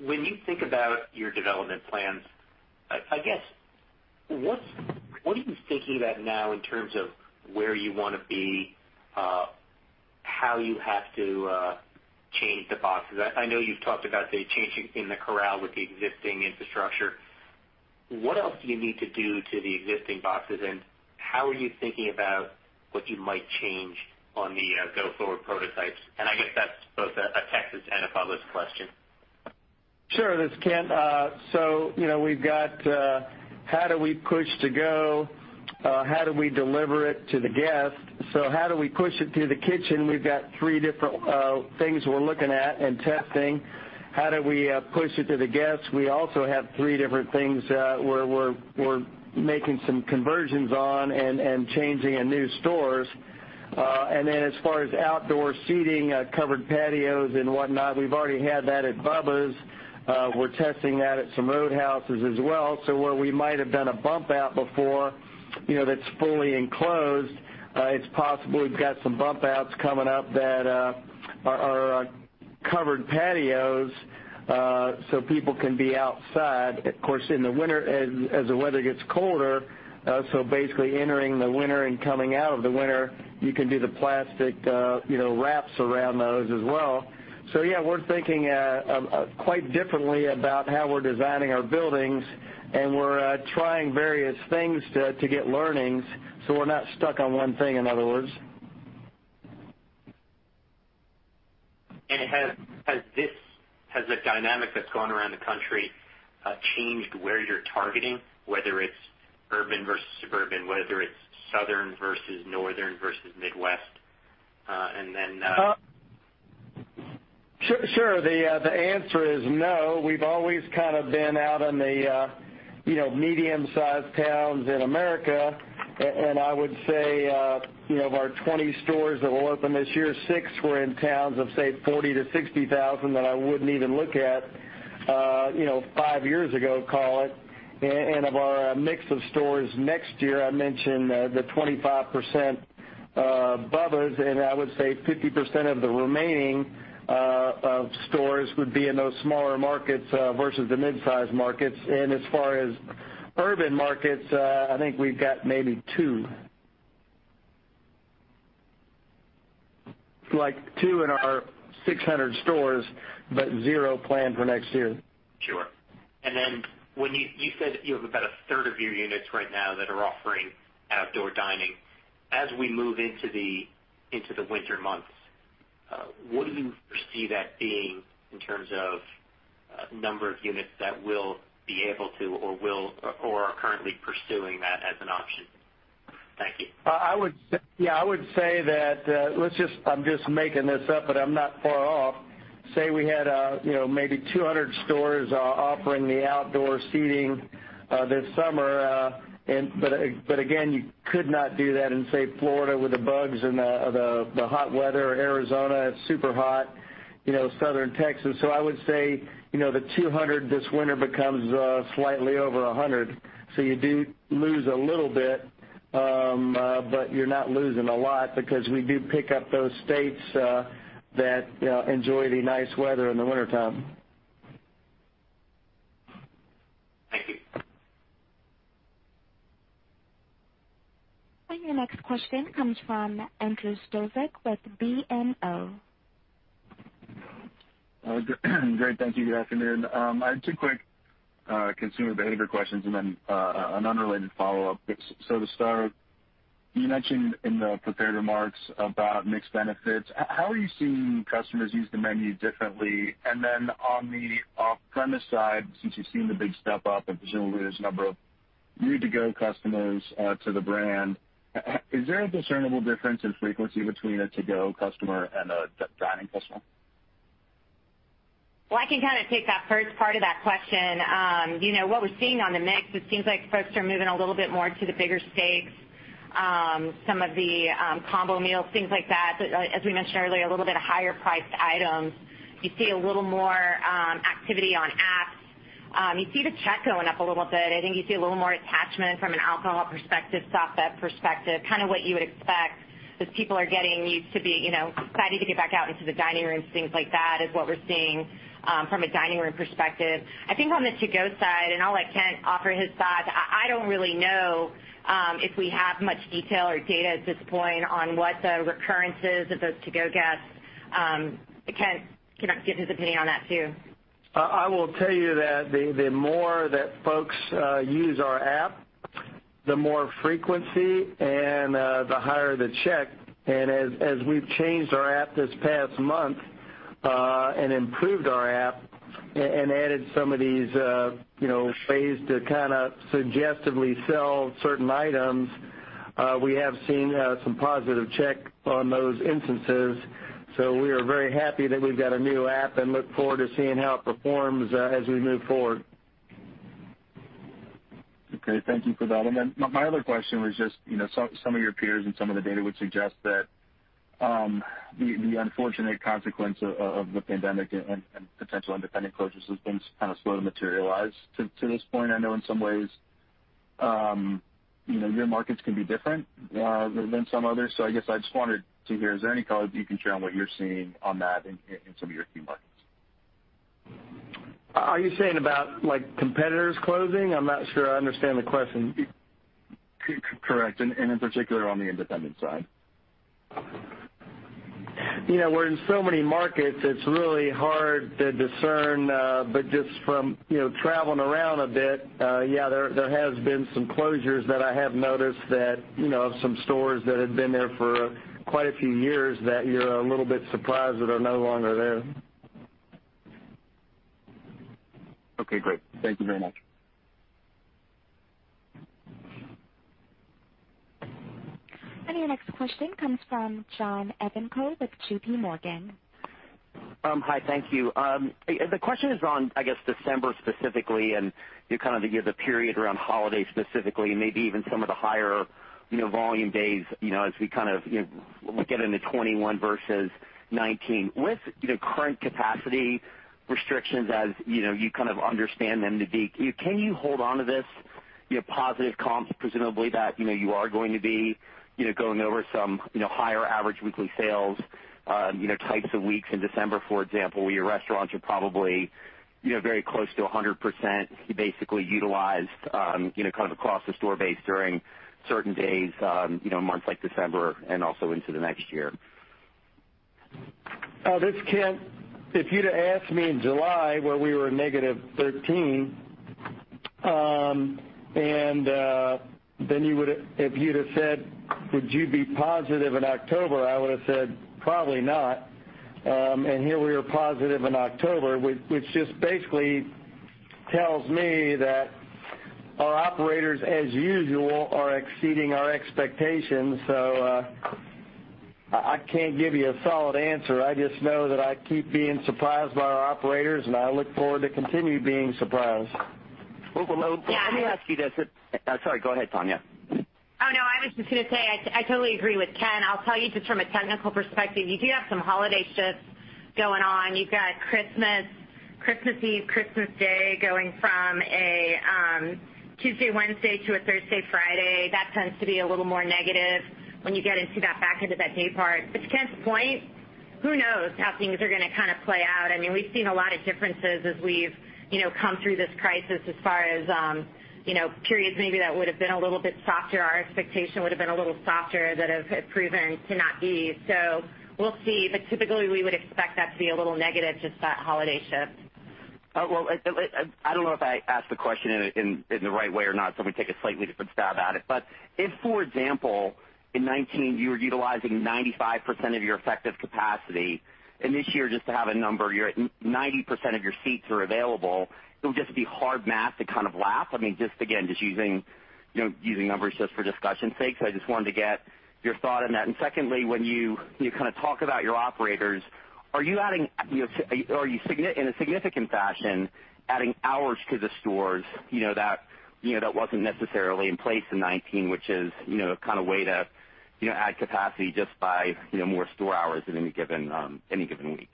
When you think about your development plans, I guess, what are you thinking about now in terms of where you want to be? How you have to change the boxes? I know you've talked about, say, changing in the Corral with the existing infrastructure. What else do you need to do to the existing boxes, and how are you thinking about what you might change on the go-forward prototypes? I guess that's both a Texas and a Bubba's question. Sure. This is Kent. We've got how do we push to go, how do we deliver it to the guest? How do we push it to the kitchen? We've got three different things we're looking at and testing. How do we push it to the guests? We also have three different things where we're making some conversions on and changing in new stores. As far as outdoor seating, covered patios and whatnot, we've already had that at Bubba's. We're testing that at some Roadhouses as well. Where we might have done a bump out before, that's fully enclosed, it's possible we've got some bump outs coming up that are covered patios so people can be outside. Of course, in the winter, as the weather gets colder, so basically entering the winter and coming out of the winter, you can do the plastic wraps around those as well. Yeah, we're thinking quite differently about how we're designing our buildings, and we're trying various things to get learnings so we're not stuck on one thing, in other words. Has the dynamic that's gone around the country changed where you're targeting, whether it's urban versus suburban, whether it's southern versus northern versus Midwest? Sure. The answer is no. We've always kind of been out in the medium sized towns in America, I would say of our 20 stores that will open this year, six were in towns of, say, 40,000-60,000 that I wouldn't even look at five years ago, call it. Of our mix of stores next year, I mentioned the 25% Bubba's, I would say 50% of the remaining of stores would be in those smaller markets versus the mid-size markets. As far as urban markets, I think we've got maybe two. Like two in our 600 stores, zero planned for next year. Sure. When you said you have about a third of your units right now that are offering outdoor dining. As we move into the winter months, what do you foresee that being in terms of number of units that will be able to or are currently pursuing that as an option? Thank you. I would say that, I'm just making this up, but I'm not far off. Say we had maybe 200 stores offering the outdoor seating this summer, but again, you could not do that in, say, Florida with the bugs and the hot weather. In Arizona, it's super hot, Southern Texas. I would say, the 200 stores this winter becomes slightly over 100 stores. You do lose a little bit, but you're not losing a lot because we do pick up those states that enjoy the nice weather in the wintertime. Thank you. Your next question comes from Andrew Strelzik with BMO. Great, thank you. Good afternoon. I have two quick consumer behavior questions and then an unrelated follow-up. To start, you mentioned in the prepared remarks about mixed benefits. How are you seeing customers use the menu differently? On the off-premise side, since you've seen the big step-up, I presume there's a number of new To-Go customers to the brand. Is there a discernible difference in frequency between a To-Go customer and a dining customer? Well, I can take that first part of that question. What we're seeing on the mix, it seems like folks are moving a little bit more to the bigger steaks, some of the combo meals, things like that. As we mentioned earlier, a little bit of higher priced items. You see a little more activity on apps. You see the check going up a little bit. I think you see a little more attachment from an alcohol perspective, soft beverage perspective, kind of what you would expect as people are getting used to be excited to get back out into the dining rooms, things like that is what we're seeing from a dining room perspective. I think on the To-Go side, and I'll let Kent offer his thoughts, I don't really know If we have much detail or data at this point on what the recurrences of those To-Go guests, Kent can give his opinion on that too. I will tell you that the more that folks use our app, the more frequency and the higher the check. As we've changed our app this past month and improved our app and added some of these ways to suggestively sell certain items, we have seen some positive check on those instances. We are very happy that we've got a new app and look forward to seeing how it performs as we move forward. Okay. Thank you for that. My other question was just some of your peers and some of the data would suggest that the unfortunate consequence of the pandemic and potential independent closures has been slow to materialize to this point. I know in some ways, your markets can be different than some others. I guess I just wanted to hear, is there any color you can share on what you're seeing on that in some of your key markets? Are you saying about competitors closing? I'm not sure I understand the question. Correct. In particular, on the independent side. We're in so many markets, it's really hard to discern. Just from traveling around a bit, yeah, there has been some closures that I have noticed that of some stores that had been there for quite a few years that you're a little bit surprised that are no longer there. Okay, great. Thank you very much. Your next question comes from John Ivankoe with JPMorgan. Hi. Thank you. The question is on, I guess December specifically. You kind of give the period around holiday specifically and maybe even some of the higher volume days as we get into 2021 versus 2019. With current capacity restrictions as you kind of understand them to be, can you hold onto this positive comps presumably that you are going to be going over some higher average weekly sales types of weeks in December, for example, where your restaurants are probably very close to 100% basically utilized kind of across the store base during certain days, months like December and also into the next year? This is Kent. If you'd have asked me in July where we were -$13 million, and if you'd have said, "Would you be positive in October?" I would have said probably not. Here we are positive in October, which just basically tells me that our operators, as usual, are exceeding our expectations. I can't give you a solid answer. I just know that I keep being surprised by our operators, and I look forward to continue being surprised. Well, let me ask you this. Yeah, I. Sorry. Go ahead, Tonya. Oh, no. I was just going to say I totally agree with Kent. I'll tell you just from a technical perspective, you do have some holiday shifts going on. You've got Christmas Eve, Christmas day, going from a Tuesday, Wednesday to a Thursday, Friday. That tends to be a little more negative when you get into that back into that day part. To Kent's point, who knows how things are going to play out. We've seen a lot of differences as we've come through this crisis as far as periods maybe that would have been a little bit softer. Our expectation would have been a little softer that have proven to not be. We'll see. Typically, we would expect that to be a little negative, just that holiday shift. I don't know if I asked the question in the right way or not, I'm going to take a slightly different stab at it. If, for example, in 2019, you were utilizing 95% of your effective capacity, and this year, just to have a number, you're at 90% of your seats are available, it would just be hard math to kind of lap. Just again, just using numbers just for discussion's sake. I just wanted to get your thought on that. Secondly, when you talk about your operators, are you in a significant fashion adding hours to the stores that wasn't necessarily in place in 2019, which is a way to add capacity just by more store hours in any given week?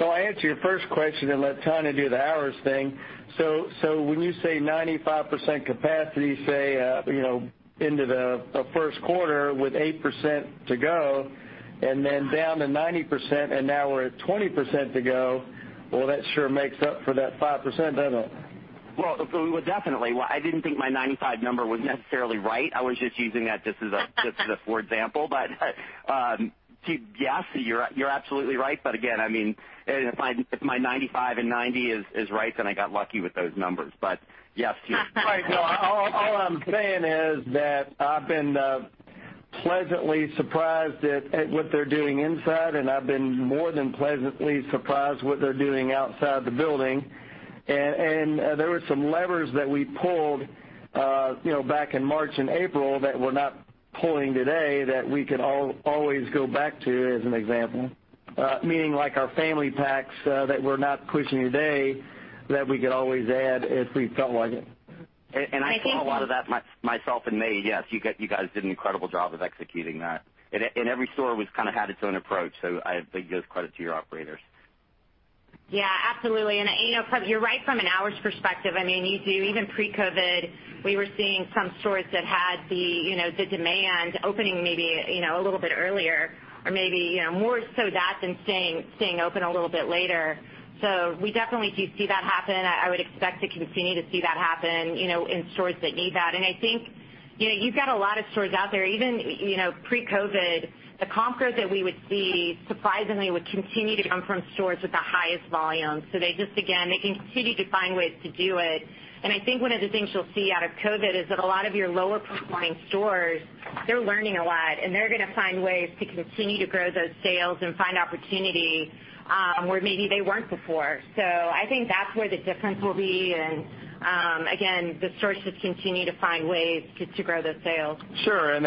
I answer your first question and let Tonya do the hours thing. When you say 95% capacity, say, into the first quarter with 8% to go and then down to 90% and now we're at 20% to go, well, that sure makes up for that 5%, doesn't it? Well, definitely. Well, I didn't think my 95% number was necessarily right. I was just using that just as a for example. Yes, you're absolutely right. Again, if my 95% and 90% is right, then I got lucky with those numbers. Yes to you. Right. No, all I'm saying is that I've been pleasantly surprised at what they're doing inside, and I've been more than pleasantly surprised what they're doing outside the building. There were some levers that we pulled back in March and April that we're not pulling today that we could always go back to as an example. Meaning like our family packs that we're not pushing today that we could always add if we felt like it. I think. I saw a lot of that myself in May. Yes. You guys did an incredible job of executing that. Every store had its own approach. I give credit to your operators. Yeah, absolutely. You're right from an hours perspective. Even pre-COVID, we were seeing some stores that had the demand opening maybe a little bit earlier or maybe more so that than staying open a little bit later. We definitely do see that happen. I would expect to continue to see that happen in stores that need that. I think you've got a lot of stores out there, even pre-COVID, the comp growth that we would see surprisingly would continue to come from stores with the highest volume. They just, again, they continue to find ways to do it. I think one of the things you'll see out of COVID is that a lot of your lower comping stores, they're learning a lot, and they're going to find ways to continue to grow those sales and find opportunity where maybe they weren't before. I think that's where the difference will be and, again, the stores just continue to find ways to grow those sales. Sure.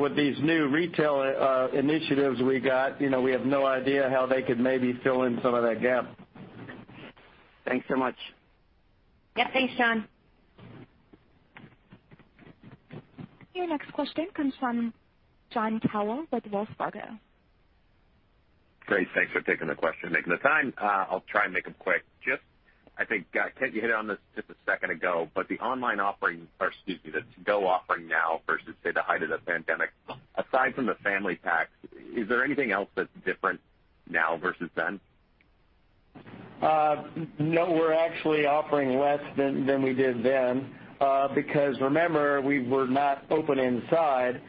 With these new retail initiatives we got, we have no idea how they could maybe fill in some of that gap. Thanks so much. Yeah. Thanks, John. Your next question comes from Jon Tower with Wells Fargo. Great. Thanks for taking the question. Making the time. I'll try and make them quick. I think, Kent, you hit on this just a second ago, but the online offering, or excuse me, the To-Go offering now versus, say, the height of the pandemic, aside from the family packs, is there anything else that's different now versus then? No, we're actually offering less than we did then. Remember, we were not open inside,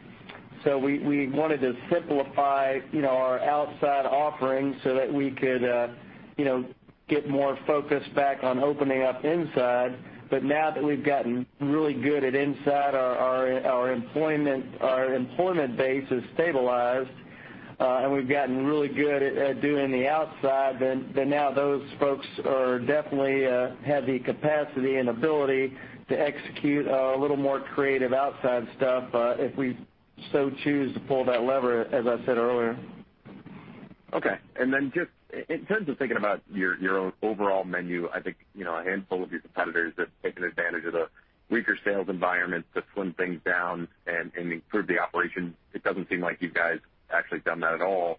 so we wanted to simplify our outside offerings so that we could get more focus back on opening up inside. Now that we've gotten really good at inside, our employment base is stabilized, and we've gotten really good at doing the outside, now those folks definitely have the capacity and ability to execute a little more creative outside stuff, if we so choose to pull that lever, as I said earlier. Okay. Just in terms of thinking about your overall menu, I think a handful of your competitors have taken advantage of the weaker sales environment to slim things down and improve the operation. It doesn't seem like you guys actually have done that at all.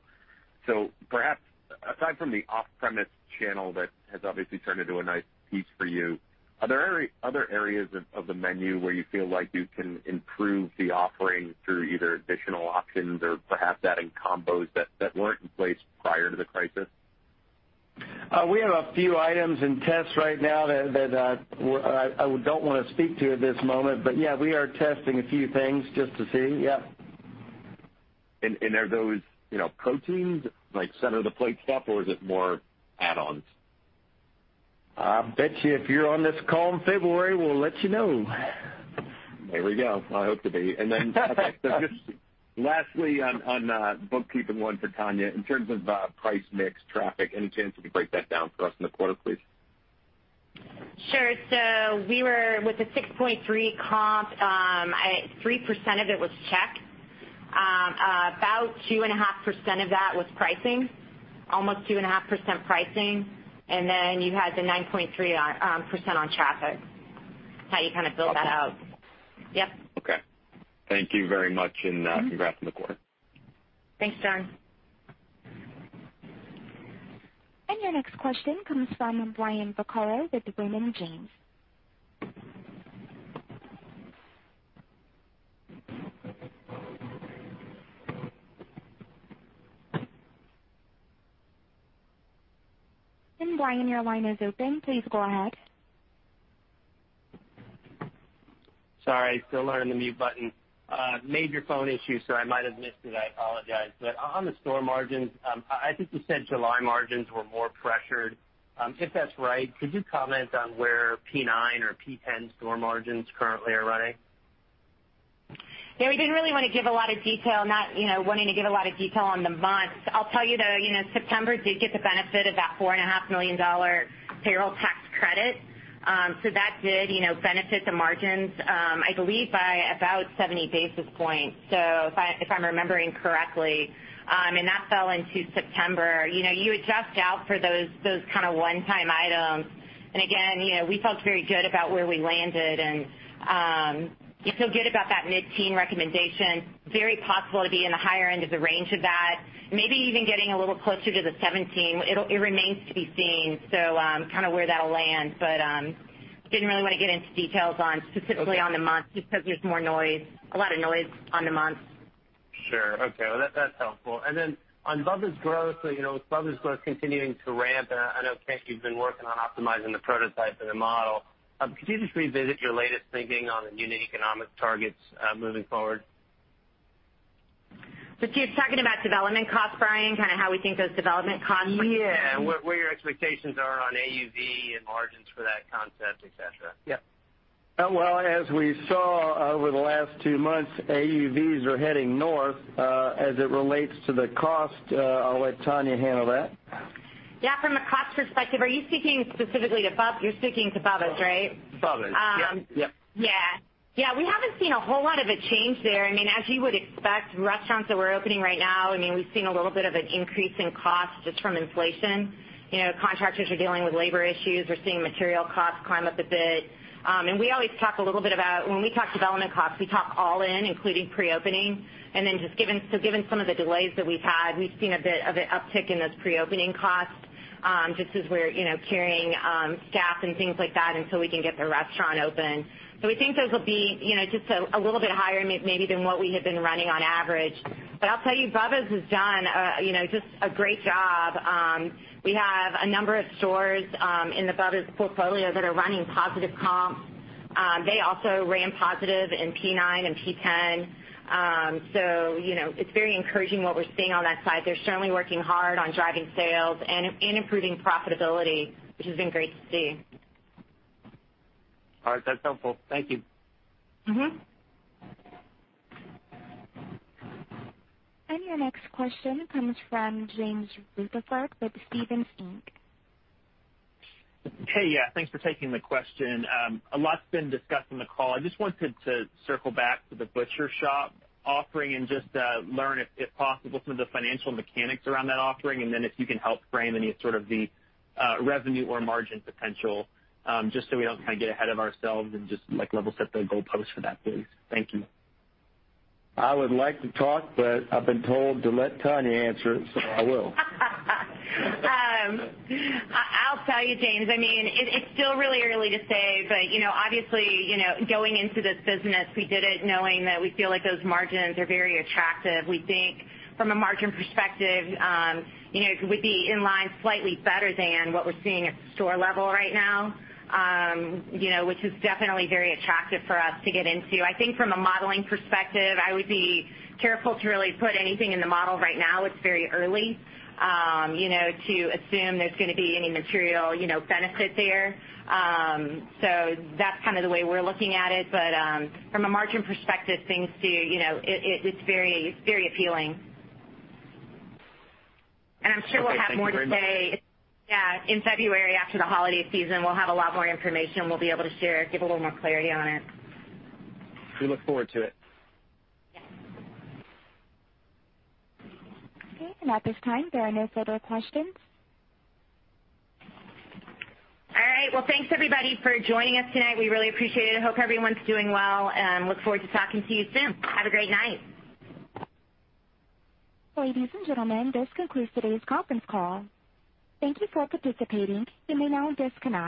Perhaps aside from the off-premise channel that has obviously turned into a nice piece for you, are there any other areas of the menu where you feel like you can improve the offering through either additional options or perhaps adding combos that weren't in place prior to the crisis? We have a few items in tests right now that I don't want to speak to at this moment. Yeah, we are testing a few things just to see. Yeah. Are those proteins, like center of the plate stuff, or is it more add-ons? I bet you if you're on this call in February, we'll let you know. There we go. I hope to be. Then just lastly on bookkeeping, one for Tonya, in terms of price mix traffic, any chance you could break that down for us in the quarter, please? Sure. With the 6.3% comp, 3% of it was check. About 2.5% of that was pricing, almost 2.5% pricing. Then you had the 9.3% on traffic. That is how you build that out. Yep. Okay. Thank you very much, and congrats on the quarter. Thanks, Jon. Your next question comes from Brian Vaccaro with Raymond James. Brian, your line is open. Please go ahead. Sorry, still learning the mute button. Major phone issue. I might have missed it, I apologize. On the store margins, I think you said July margins were more pressured. If that's right, could you comment on where P9 or P10 store margins currently are running? We didn't really want to give a lot of detail, not wanting to give a lot of detail on the months. I'll tell you though, September did get the benefit of that $4.5 million payroll tax credit. That did benefit the margins, I believe by about 70 basis points. If I'm remembering correctly, and that fell into September. You adjust out for those kind of one-time items. Again, we felt very good about where we landed and feel good about that mid-teen recommendation. Very possible to be in the higher end of the range of that, maybe even getting a little closer to the 17%. It remains to be seen, kind of where that'll land. Didn't really want to get into details specifically on the months just because there's more noise, a lot of noise on the months. Sure. Okay. Well, that's helpful. On Bubba's growth, with Bubba's growth continuing to ramp, and I know, Kent, you've been working on optimizing the prototype for the model. Could you just revisit your latest thinking on the unit economic targets moving forward? So you're talking about development costs, Brian, kind of how we think those development costs. Yeah. Where your expectations are on AUV and margins for that concept, et cetera? Yep. Well, as we saw over the last two months, AUVs are heading north. As it relates to the cost, I'll let Tonya handle that. Yeah, from a cost perspective, are you speaking specifically to Bubba's? You're speaking to Bubba's, right? Bubba's. Yep. Yeah. We haven't seen a whole lot of a change there. As you would expect, restaurants that we're opening right now, we've seen a little bit of an increase in cost just from inflation. Contractors are dealing with labor issues. We're seeing material costs climb up a bit. We always talk a little bit about when we talk development costs, we talk all in, including pre-opening. Given some of the delays that we've had, we've seen a bit of an uptick in those pre-opening costs, just as we're carrying staff and things like that until we can get the restaurant open. We think those will be just a little bit higher maybe than what we had been running on average. I'll tell you, Bubba's has done just a great job. We have a number of stores in the Bubba's portfolio that are running positive comps. They also ran positive in P9 and P10. It's very encouraging what we're seeing on that side. They're certainly working hard on driving sales and improving profitability, which has been great to see. All right. That's helpful. Thank you. Your next question comes from James Rutherford with Stephens Inc. Hey. Yeah. Thanks for taking the question. A lot's been discussed on the call. I just wanted to circle back to the butcher shop offering and just learn, if possible, some of the financial mechanics around that offering, and then if you can help frame any of sort of the revenue or margin potential, just so we don't kind of get ahead of ourselves and just level-set the goalpost for that, please. Thank you. I would like to talk, but I've been told to let Tonya answer it, so I will. I'll tell you, James, it's still really early to say, but obviously, going into this business, we did it knowing that we feel like those margins are very attractive. We think from a margin perspective, it would be in line slightly better than what we're seeing at the store level right now, which is definitely very attractive for us to get into. I think from a modeling perspective, I would be careful to really put anything in the model right now. It's very early to assume there's going to be any material benefit there. That's kind of the way we're looking at it. From a margin perspective, it's very appealing. I'm sure we'll have more to say. Okay. Thank you very much. Yeah, in February after the holiday season, we'll have a lot more information we'll be able to share, give a little more clarity on it. We look forward to it. Yes. Okay. At this time, there are no further questions. Well, thanks everybody for joining us tonight. We really appreciate it. Hope everyone's doing well and look forward to talking to you soon. Have a great night. Ladies and gentlemen, this concludes today's conference call. Thank you for participating. You may now disconnect.